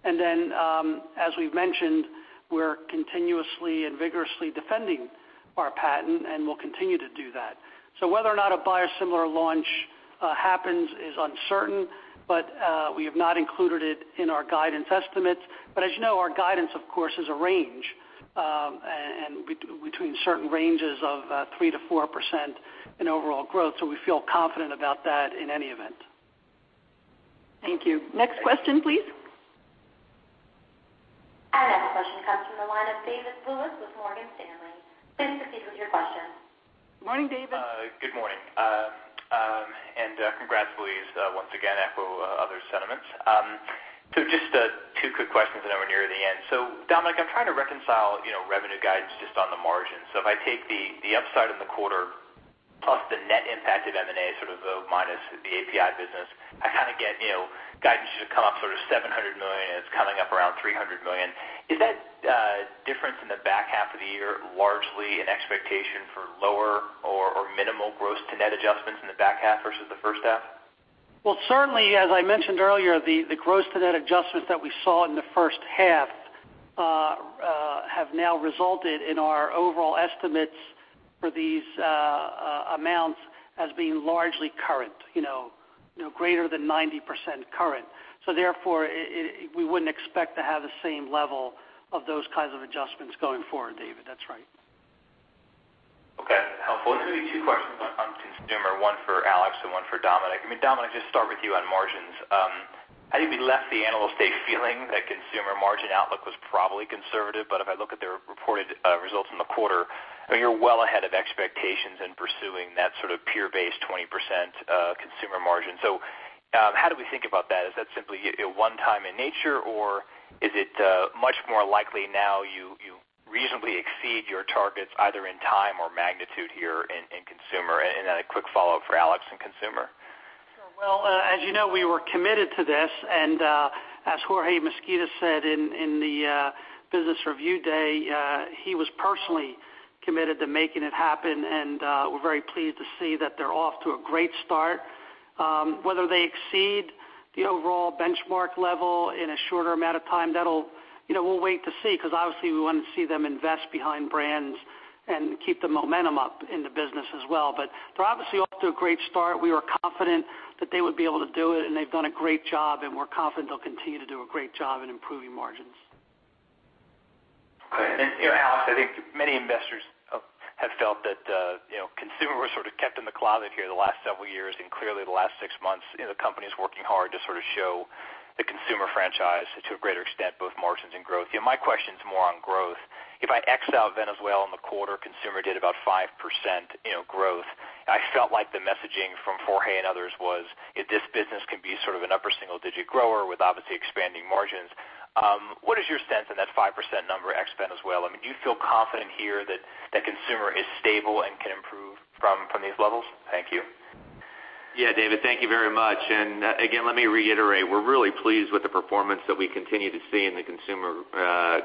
Speaker 4: As we've mentioned, we're continuously and vigorously defending our patent, we'll continue to do that. Whether or not a biosimilar launch happens is uncertain, we have not included it in our guidance estimates. As you know, our guidance, of course, is a range, between certain ranges of 3%-4% in overall growth. We feel confident about that in any event.
Speaker 2: Thank you. Next question, please.
Speaker 1: Our next question comes from the line of David Lewis with Morgan Stanley. Please proceed with your question.
Speaker 2: Morning, David.
Speaker 12: Good morning. Congrats, Louise. Once again, echo others' sentiments. Just two quick questions, and then we're near the end. Dominic, I'm trying to reconcile revenue guidance just on the margin. If I take the upside in the quarter plus the net impact of M&A, sort of minus the API business, I kind of get guidance should come up sort of $700 million, and it's coming up around $300 million. Is that difference in the back half of the year largely an expectation for lower or minimal gross-to-net adjustments in the back half versus the first half?
Speaker 4: Well, certainly, as I mentioned earlier, the gross-to-net adjustments that we saw in the first half have now resulted in our overall estimates for these amounts as being largely current, greater than 90% current. Therefore, we wouldn't expect to have the same level of those kinds of adjustments going forward, David. That's right.
Speaker 12: Okay. Helpful. Let me give you two questions on consumer, one for Alex and one for Dominic. Dominic, just start with you on margins. I think we left the Analyst Day feeling that consumer margin outlook was probably conservative, but if I look at the reported results in the quarter, you're well ahead of expectations in pursuing that sort of peer-based 20% consumer margin. How do we think about that? Is that simply one time in nature, or is it much more likely now you reasonably exceed your targets either in time or magnitude here in consumer? Then a quick follow-up for Alex in consumer.
Speaker 4: Sure. Well, as you know, we were committed to this, as Joaquin Duato said in the Business Review Day, he was personally committed to making it happen, we're very pleased to see that they're off to a great start. Whether they exceed the overall benchmark level in a shorter amount of time, we'll wait to see, because obviously we want to see them invest behind brands and keep the momentum up in the business as well. They're obviously off to a great start. We were confident that they would be able to do it, they've done a great job, we're confident they'll continue to do a great job in improving margins.
Speaker 12: Okay. Alex, I think many investors have felt that consumer was sort of kept in the closet here the last several years, clearly the last six months, the company's working hard to sort of show the consumer franchise to a greater extent, both margins and growth. My question's more on growth. If I X out Venezuela in the quarter, consumer did about 5% growth. I felt like the messaging from Jorge and others was this business can be sort of an upper single-digit grower with obviously expanding margins. What is your sense in that 5% number ex Venezuela? Do you feel confident here that consumer is stable and can improve from these levels? Thank you.
Speaker 3: Yeah, David, thank you very much. Again, let me reiterate, we're really pleased with the performance that we continue to see in the consumer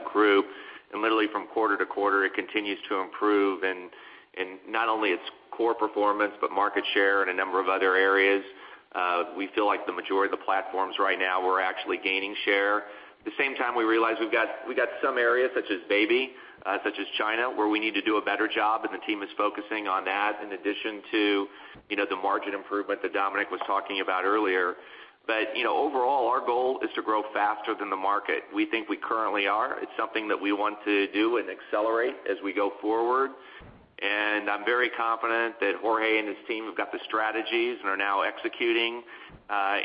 Speaker 3: group. Literally from quarter to quarter, it continues to improve in not only its core performance, but market share and a number of other areas. We feel like the majority of the platforms right now, we're actually gaining share. At the same time, we realize we've got some areas such as baby, such as China, where we need to do a better job, the team is focusing on that in addition to the margin improvement that Dominic was talking about earlier. Overall, our goal is to grow faster than the market. We think we currently are. It's something that we want to do and accelerate as we go forward. I'm very confident that Jorge and his team have got the strategies and are now executing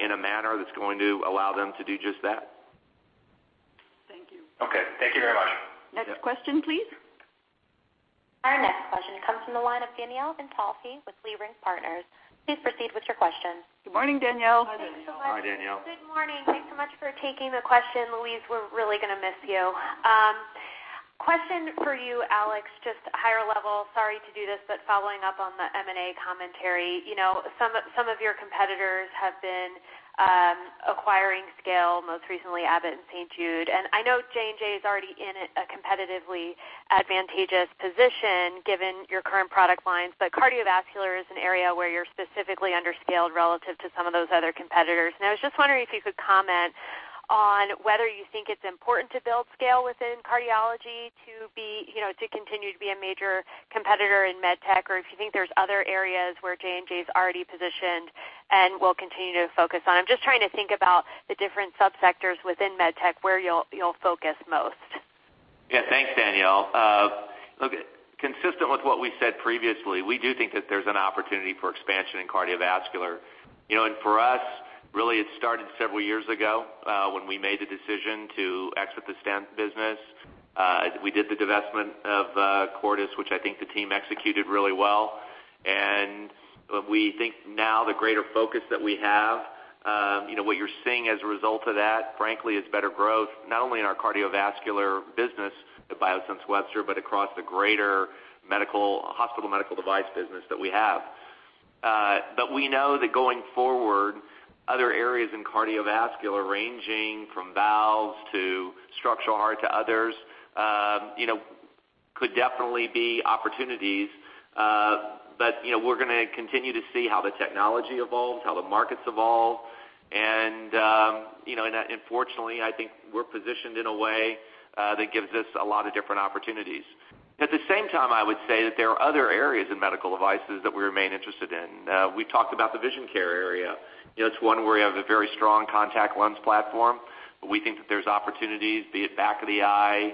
Speaker 3: in a manner that's going to allow them to do just that.
Speaker 2: Thank you.
Speaker 12: Okay. Thank you very much.
Speaker 2: Next question, please.
Speaker 1: Our next question comes from the line of Danielle Antalffy with Leerink Partners. Please proceed with your question.
Speaker 2: Good morning, Danielle.
Speaker 4: Hi, Danielle. Hi, Danielle.
Speaker 13: Good morning. Thanks so much for taking the question. Louise, we're really going to miss you. Question for you, Alex, just higher level, sorry to do this, but following up on the M&A commentary. Some of your competitors have been acquiring scale, most recently Abbott and St. Jude, and I know J&J is already in a competitively advantageous position given your current product lines, but cardiovascular is an area where you're specifically under-scaled relative to some of those other competitors. I was just wondering if you could comment on whether you think it's important to build scale within cardiology to continue to be a major competitor in med tech, or if you think there's other areas where J&J is already positioned and will continue to focus on. I'm just trying to think about the different sub-sectors within med tech where you'll focus most.
Speaker 3: Yeah. Thanks, Danielle. Look, consistent with what we said previously, we do think that there's an opportunity for expansion in cardiovascular. For us, really, it started several years ago when we made the decision to exit the stent business. We did the divestment of Cordis, which I think the team executed really well, and we think now the greater focus that we have, what you're seeing as a result of that, frankly, is better growth, not only in our cardiovascular business at Biosense Webster, but across the greater hospital medical device business that we have. We know that going forward, other areas in cardiovascular, ranging from valves to structural heart to others, Could definitely be opportunities. We're going to continue to see how the technology evolves, how the markets evolve, and fortunately, I think we're positioned in a way that gives us a lot of different opportunities. At the same time, I would say that there are other areas in medical devices that we remain interested in. We've talked about the vision care area. It's one where we have a very strong contact lens platform, but we think that there's opportunities, be it back of the eye,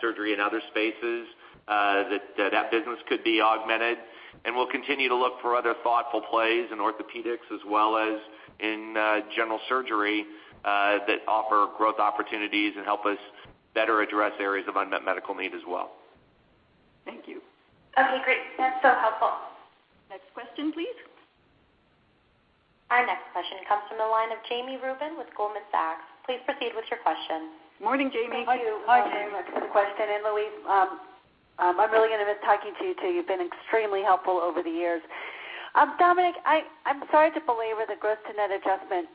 Speaker 3: surgery in other spaces, that that business could be augmented, and we'll continue to look for other thoughtful plays in orthopedics as well as in general surgery that offer growth opportunities and help us better address areas of unmet medical need as well.
Speaker 2: Thank you.
Speaker 13: Okay, great. That's so helpful.
Speaker 2: Next question, please.
Speaker 1: Our next question comes from the line of Jami Rubin with Goldman Sachs. Please proceed with your question.
Speaker 2: Morning, Jami.
Speaker 14: Thank you very much for the question. Louise, I'm really going to miss talking to you, too. You've been extremely helpful over the years. Dominic, I'm sorry to belabor the gross to net adjustment,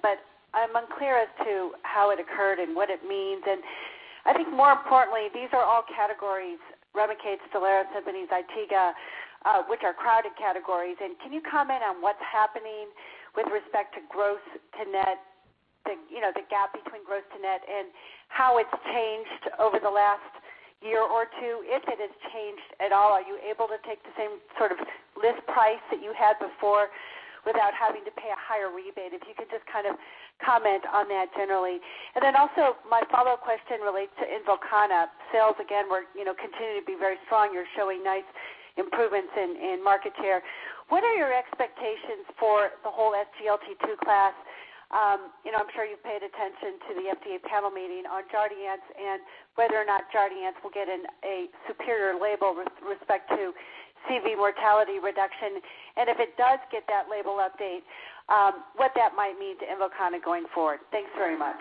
Speaker 14: I'm unclear as to how it occurred and what it means. I think more importantly, these are all categories, REMICADE, STELARA, SIMPONI, ZYTIGA, which are crowded categories, and can you comment on what's happening with respect to gross to net, the gap between gross to net and how it's changed over the last year or two, if it has changed at all? Are you able to take the same sort of list price that you had before without having to pay a higher rebate? If you could just kind of comment on that generally. Then also my follow-up question relates to INVOKANA. Sales again continue to be very strong. You're showing nice improvements in market share. What are your expectations for the whole SGLT2 class? I'm sure you've paid attention to the FDA panel meeting on Jardiance and whether or not Jardiance will get a superior label with respect to CV mortality reduction. If it does get that label update, what that might mean to INVOKANA going forward. Thanks very much.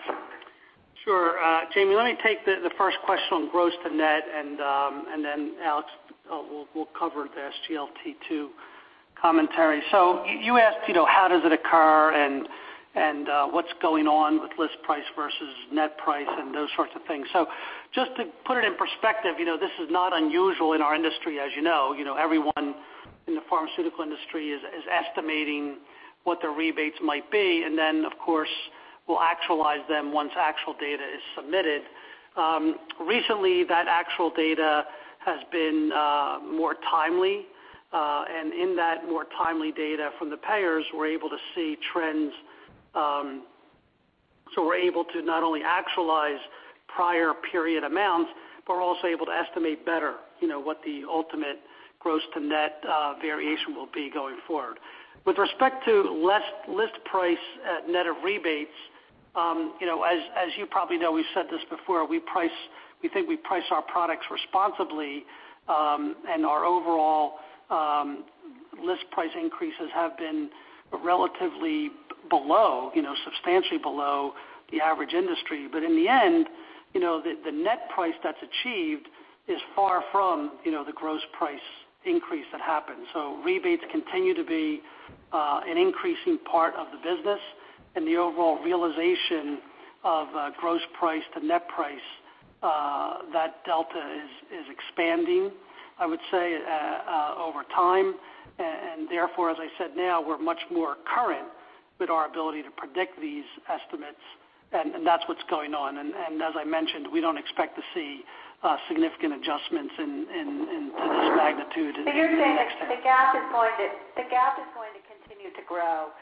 Speaker 14: Sure. Jami, let me take the first question on gross to net, Alex will cover the SGLT2 commentary. You asked how does it occur and what's going on with list price versus net price and those sorts of things. Just to put it in perspective, this is not unusual in our industry, as you know. Everyone in the pharmaceutical industry is estimating what their rebates might be, then, of course, we'll actualize them once actual data is submitted.
Speaker 4: Recently, that actual data has been more timely, in that more timely data from the payers, we're able to see trends. We're able to not only actualize prior period amounts, but we're also able to estimate better what the ultimate gross to net variation will be going forward. With respect to list price at net of rebates, as you probably know, we've said this before, we think we price our products responsibly, and our overall list price increases have been relatively below, substantially below the average industry. In the end, the net price that's achieved is far from the gross price increase that happens. Rebates continue to be an increasing part of the business and the overall realization of gross price to net price, that delta is expanding, I would say over time, therefore, as I said, now we're much more current with our ability to predict these estimates, that's what's going on. As I mentioned, we don't expect to see significant adjustments to this magnitude. You're saying the gap is going to continue to grow,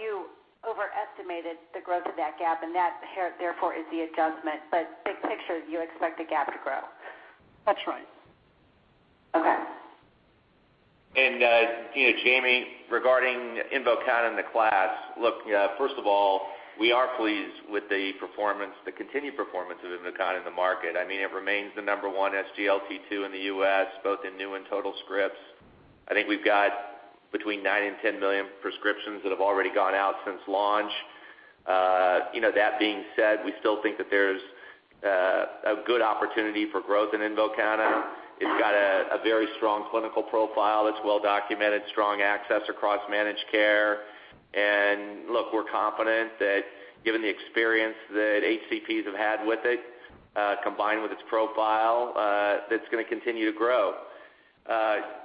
Speaker 4: you overestimated the growth of that gap, and that therefore is the adjustment. Big picture, you expect the gap to grow. That's right.
Speaker 14: Okay.
Speaker 3: Jami, regarding INVOKANA and the class, look, first of all, we are pleased with the continued performance of INVOKANA in the market. It remains the number one SGLT2 in the U.S., both in new and total scripts. I think we've got between nine and 10 million prescriptions that have already gone out since launch. That being said, we still think that there's a good opportunity for growth in INVOKANA. It's got a very strong clinical profile that's well-documented, strong access across managed care, and look, we're confident that given the experience that HCPs have had with it, combined with its profile, that it's going to continue to grow.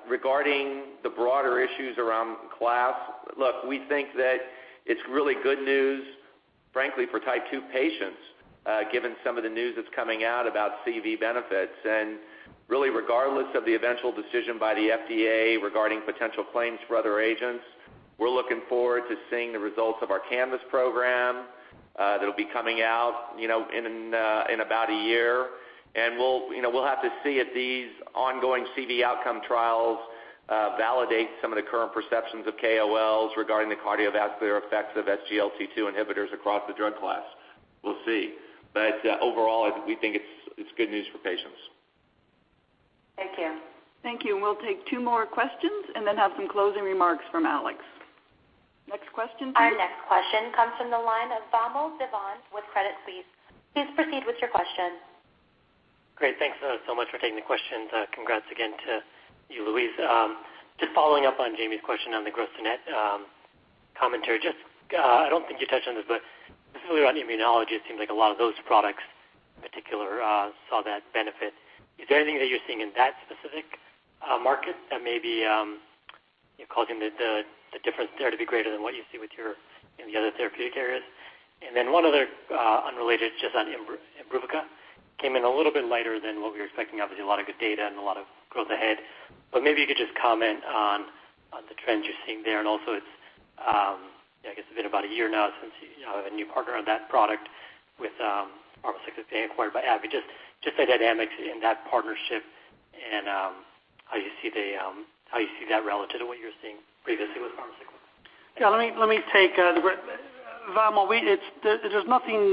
Speaker 3: Regarding the broader issues around class, look, we think that it's really good news, frankly, for type 2 patients, given some of the news that's coming out about CV benefits. Really regardless of the eventual decision by the FDA regarding potential claims for other agents, we're looking forward to seeing the results of our CANVAS program that'll be coming out in about a year, and we'll have to see if these ongoing CV outcome trials validate some of the current perceptions of KOLs regarding the cardiovascular effects of SGLT2 inhibitors across the drug class. We'll see. Overall, we think it's good news for patients.
Speaker 14: Thank you.
Speaker 2: Thank you. We'll take two more questions and then have some closing remarks from Alex. Next question, please.
Speaker 1: Our next question comes from the line of Vamil Divan with Credit Suisse. Please proceed with your question.
Speaker 15: Great. Thanks so much for taking the questions. Congrats again to you, Louise. Just following up on Jami's question on the gross-to-net commentary. I don't think you touched on this, but specifically around immunology, it seems like a lot of those products in particular saw that benefit. One other, unrelated, just on IMBRUVICA. Came in a little bit lighter than what we were expecting. Obviously, a lot of good data and a lot of growth ahead, but maybe you could just comment on the trends you're seeing there. Also, I guess it's been about a year now since you have a new partner on that product with Pharmacyclics being acquired by AbbVie. Just the dynamics in that partnership and how you see that relative to what you were seeing previously with Pharmacyclics.
Speaker 4: Yeah, let me take Vamil. There's nothing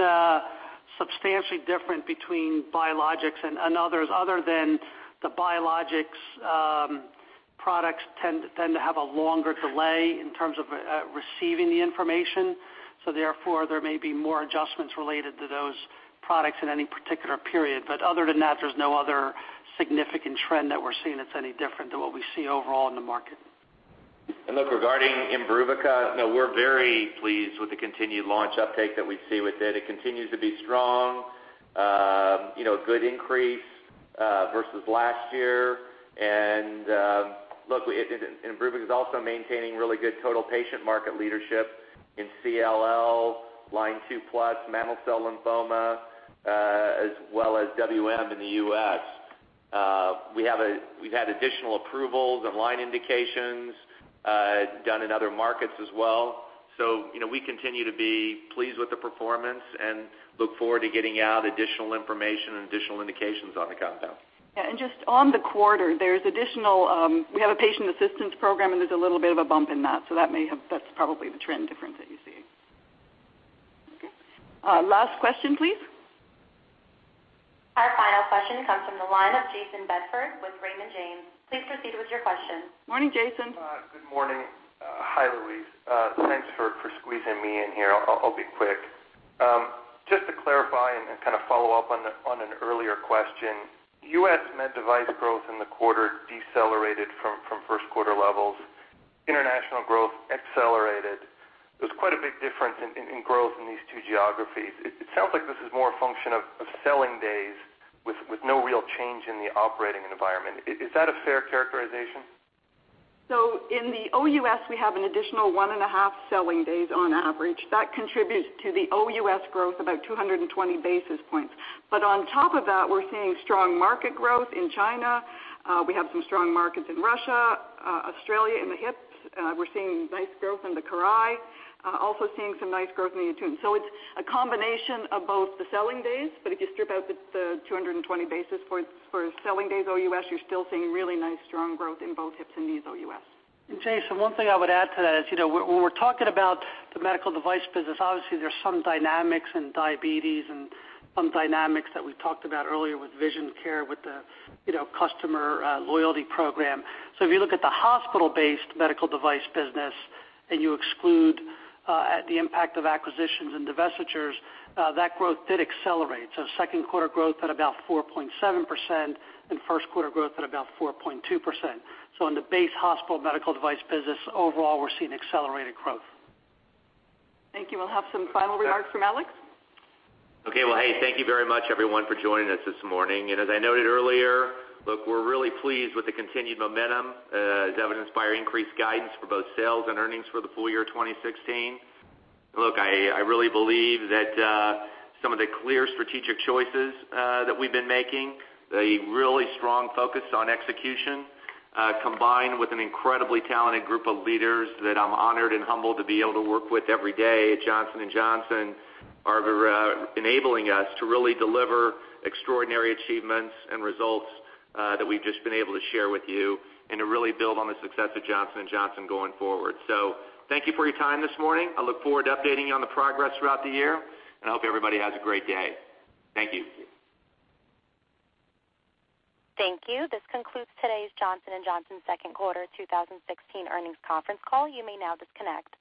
Speaker 4: substantially different between biologics and others, other than the biologics products tend to have a longer delay in terms of receiving the information. Therefore, there may be more adjustments related to those products in any particular period. Other than that, there's no other significant trend that we're seeing that's any different than what we see overall in the market.
Speaker 3: Look, regarding IMBRUVICA, we're very pleased with the continued launch uptake that we see with it. It continues to be strong. A good increase versus last year. Look, IMBRUVICA is also maintaining really good total patient market leadership in CLL, line 2 plus, mantle cell lymphoma, as well as WM in the U.S. We've had additional approvals and line indications done in other markets as well. We continue to be pleased with the performance and look forward to getting out additional information and additional indications on the compound.
Speaker 2: Yeah. Just on the quarter, we have a patient assistance program, and there's a little bit of a bump in that. That's probably the trend difference that you're seeing. Okay. Last question, please.
Speaker 1: Our final question comes from the line of Jayson Bedford with Raymond James. Please proceed with your question.
Speaker 2: Morning, Jayson.
Speaker 16: Good morning. Hi, Louise. Thanks for squeezing me in here. I'll be quick. Just to clarify and kind of follow up on an earlier question, U.S. med device growth in the quarter decelerated from first quarter levels. International growth accelerated. There's quite a big difference in growth in these two geographies. It sounds like this is more a function of selling days with no real change in the operating environment. Is that a fair characterization?
Speaker 2: In the OUS, we have an additional one and a half selling days on average. That contributes to the OUS growth about 220 basis points. On top of that, we're seeing strong market growth in China. We have some strong markets in Russia, Australia in the hips. We're seeing nice growth in the CORAIL, also seeing some nice growth in the ATTUNE. It's a combination of both the selling days, but if you strip out the 220 basis for selling days OUS, you're still seeing really nice, strong growth in both hips and knees OUS.
Speaker 4: Jayson, one thing I would add to that is, when we're talking about the medical device business, obviously there's some dynamics in diabetes and some dynamics that we talked about earlier with vision care, with the customer loyalty program. If you look at the hospital-based medical device business and you exclude the impact of acquisitions and divestitures, that growth did accelerate. Second quarter growth at about 4.7% and first quarter growth at about 4.2%. On the base hospital medical device business, overall, we're seeing accelerated growth.
Speaker 2: Thank you. We'll have some final remarks from Alex.
Speaker 3: Okay. Well, hey, thank you very much everyone for joining us this morning. As I noted earlier, look, we're really pleased with the continued momentum, as evidenced by our increased guidance for both sales and earnings for the full year 2016. Look, I really believe that some of the clear strategic choices that we've been making, the really strong focus on execution, combined with an incredibly talented group of leaders that I'm honored and humbled to be able to work with every day at Johnson & Johnson, are enabling us to really deliver extraordinary achievements and results, that we've just been able to share with you and to really build on the success of Johnson & Johnson going forward. Thank you for your time this morning. I look forward to updating you on the progress throughout the year, and I hope everybody has a great day. Thank you.
Speaker 1: Thank you. This concludes today's Johnson & Johnson second quarter 2016 earnings conference call. You may now disconnect.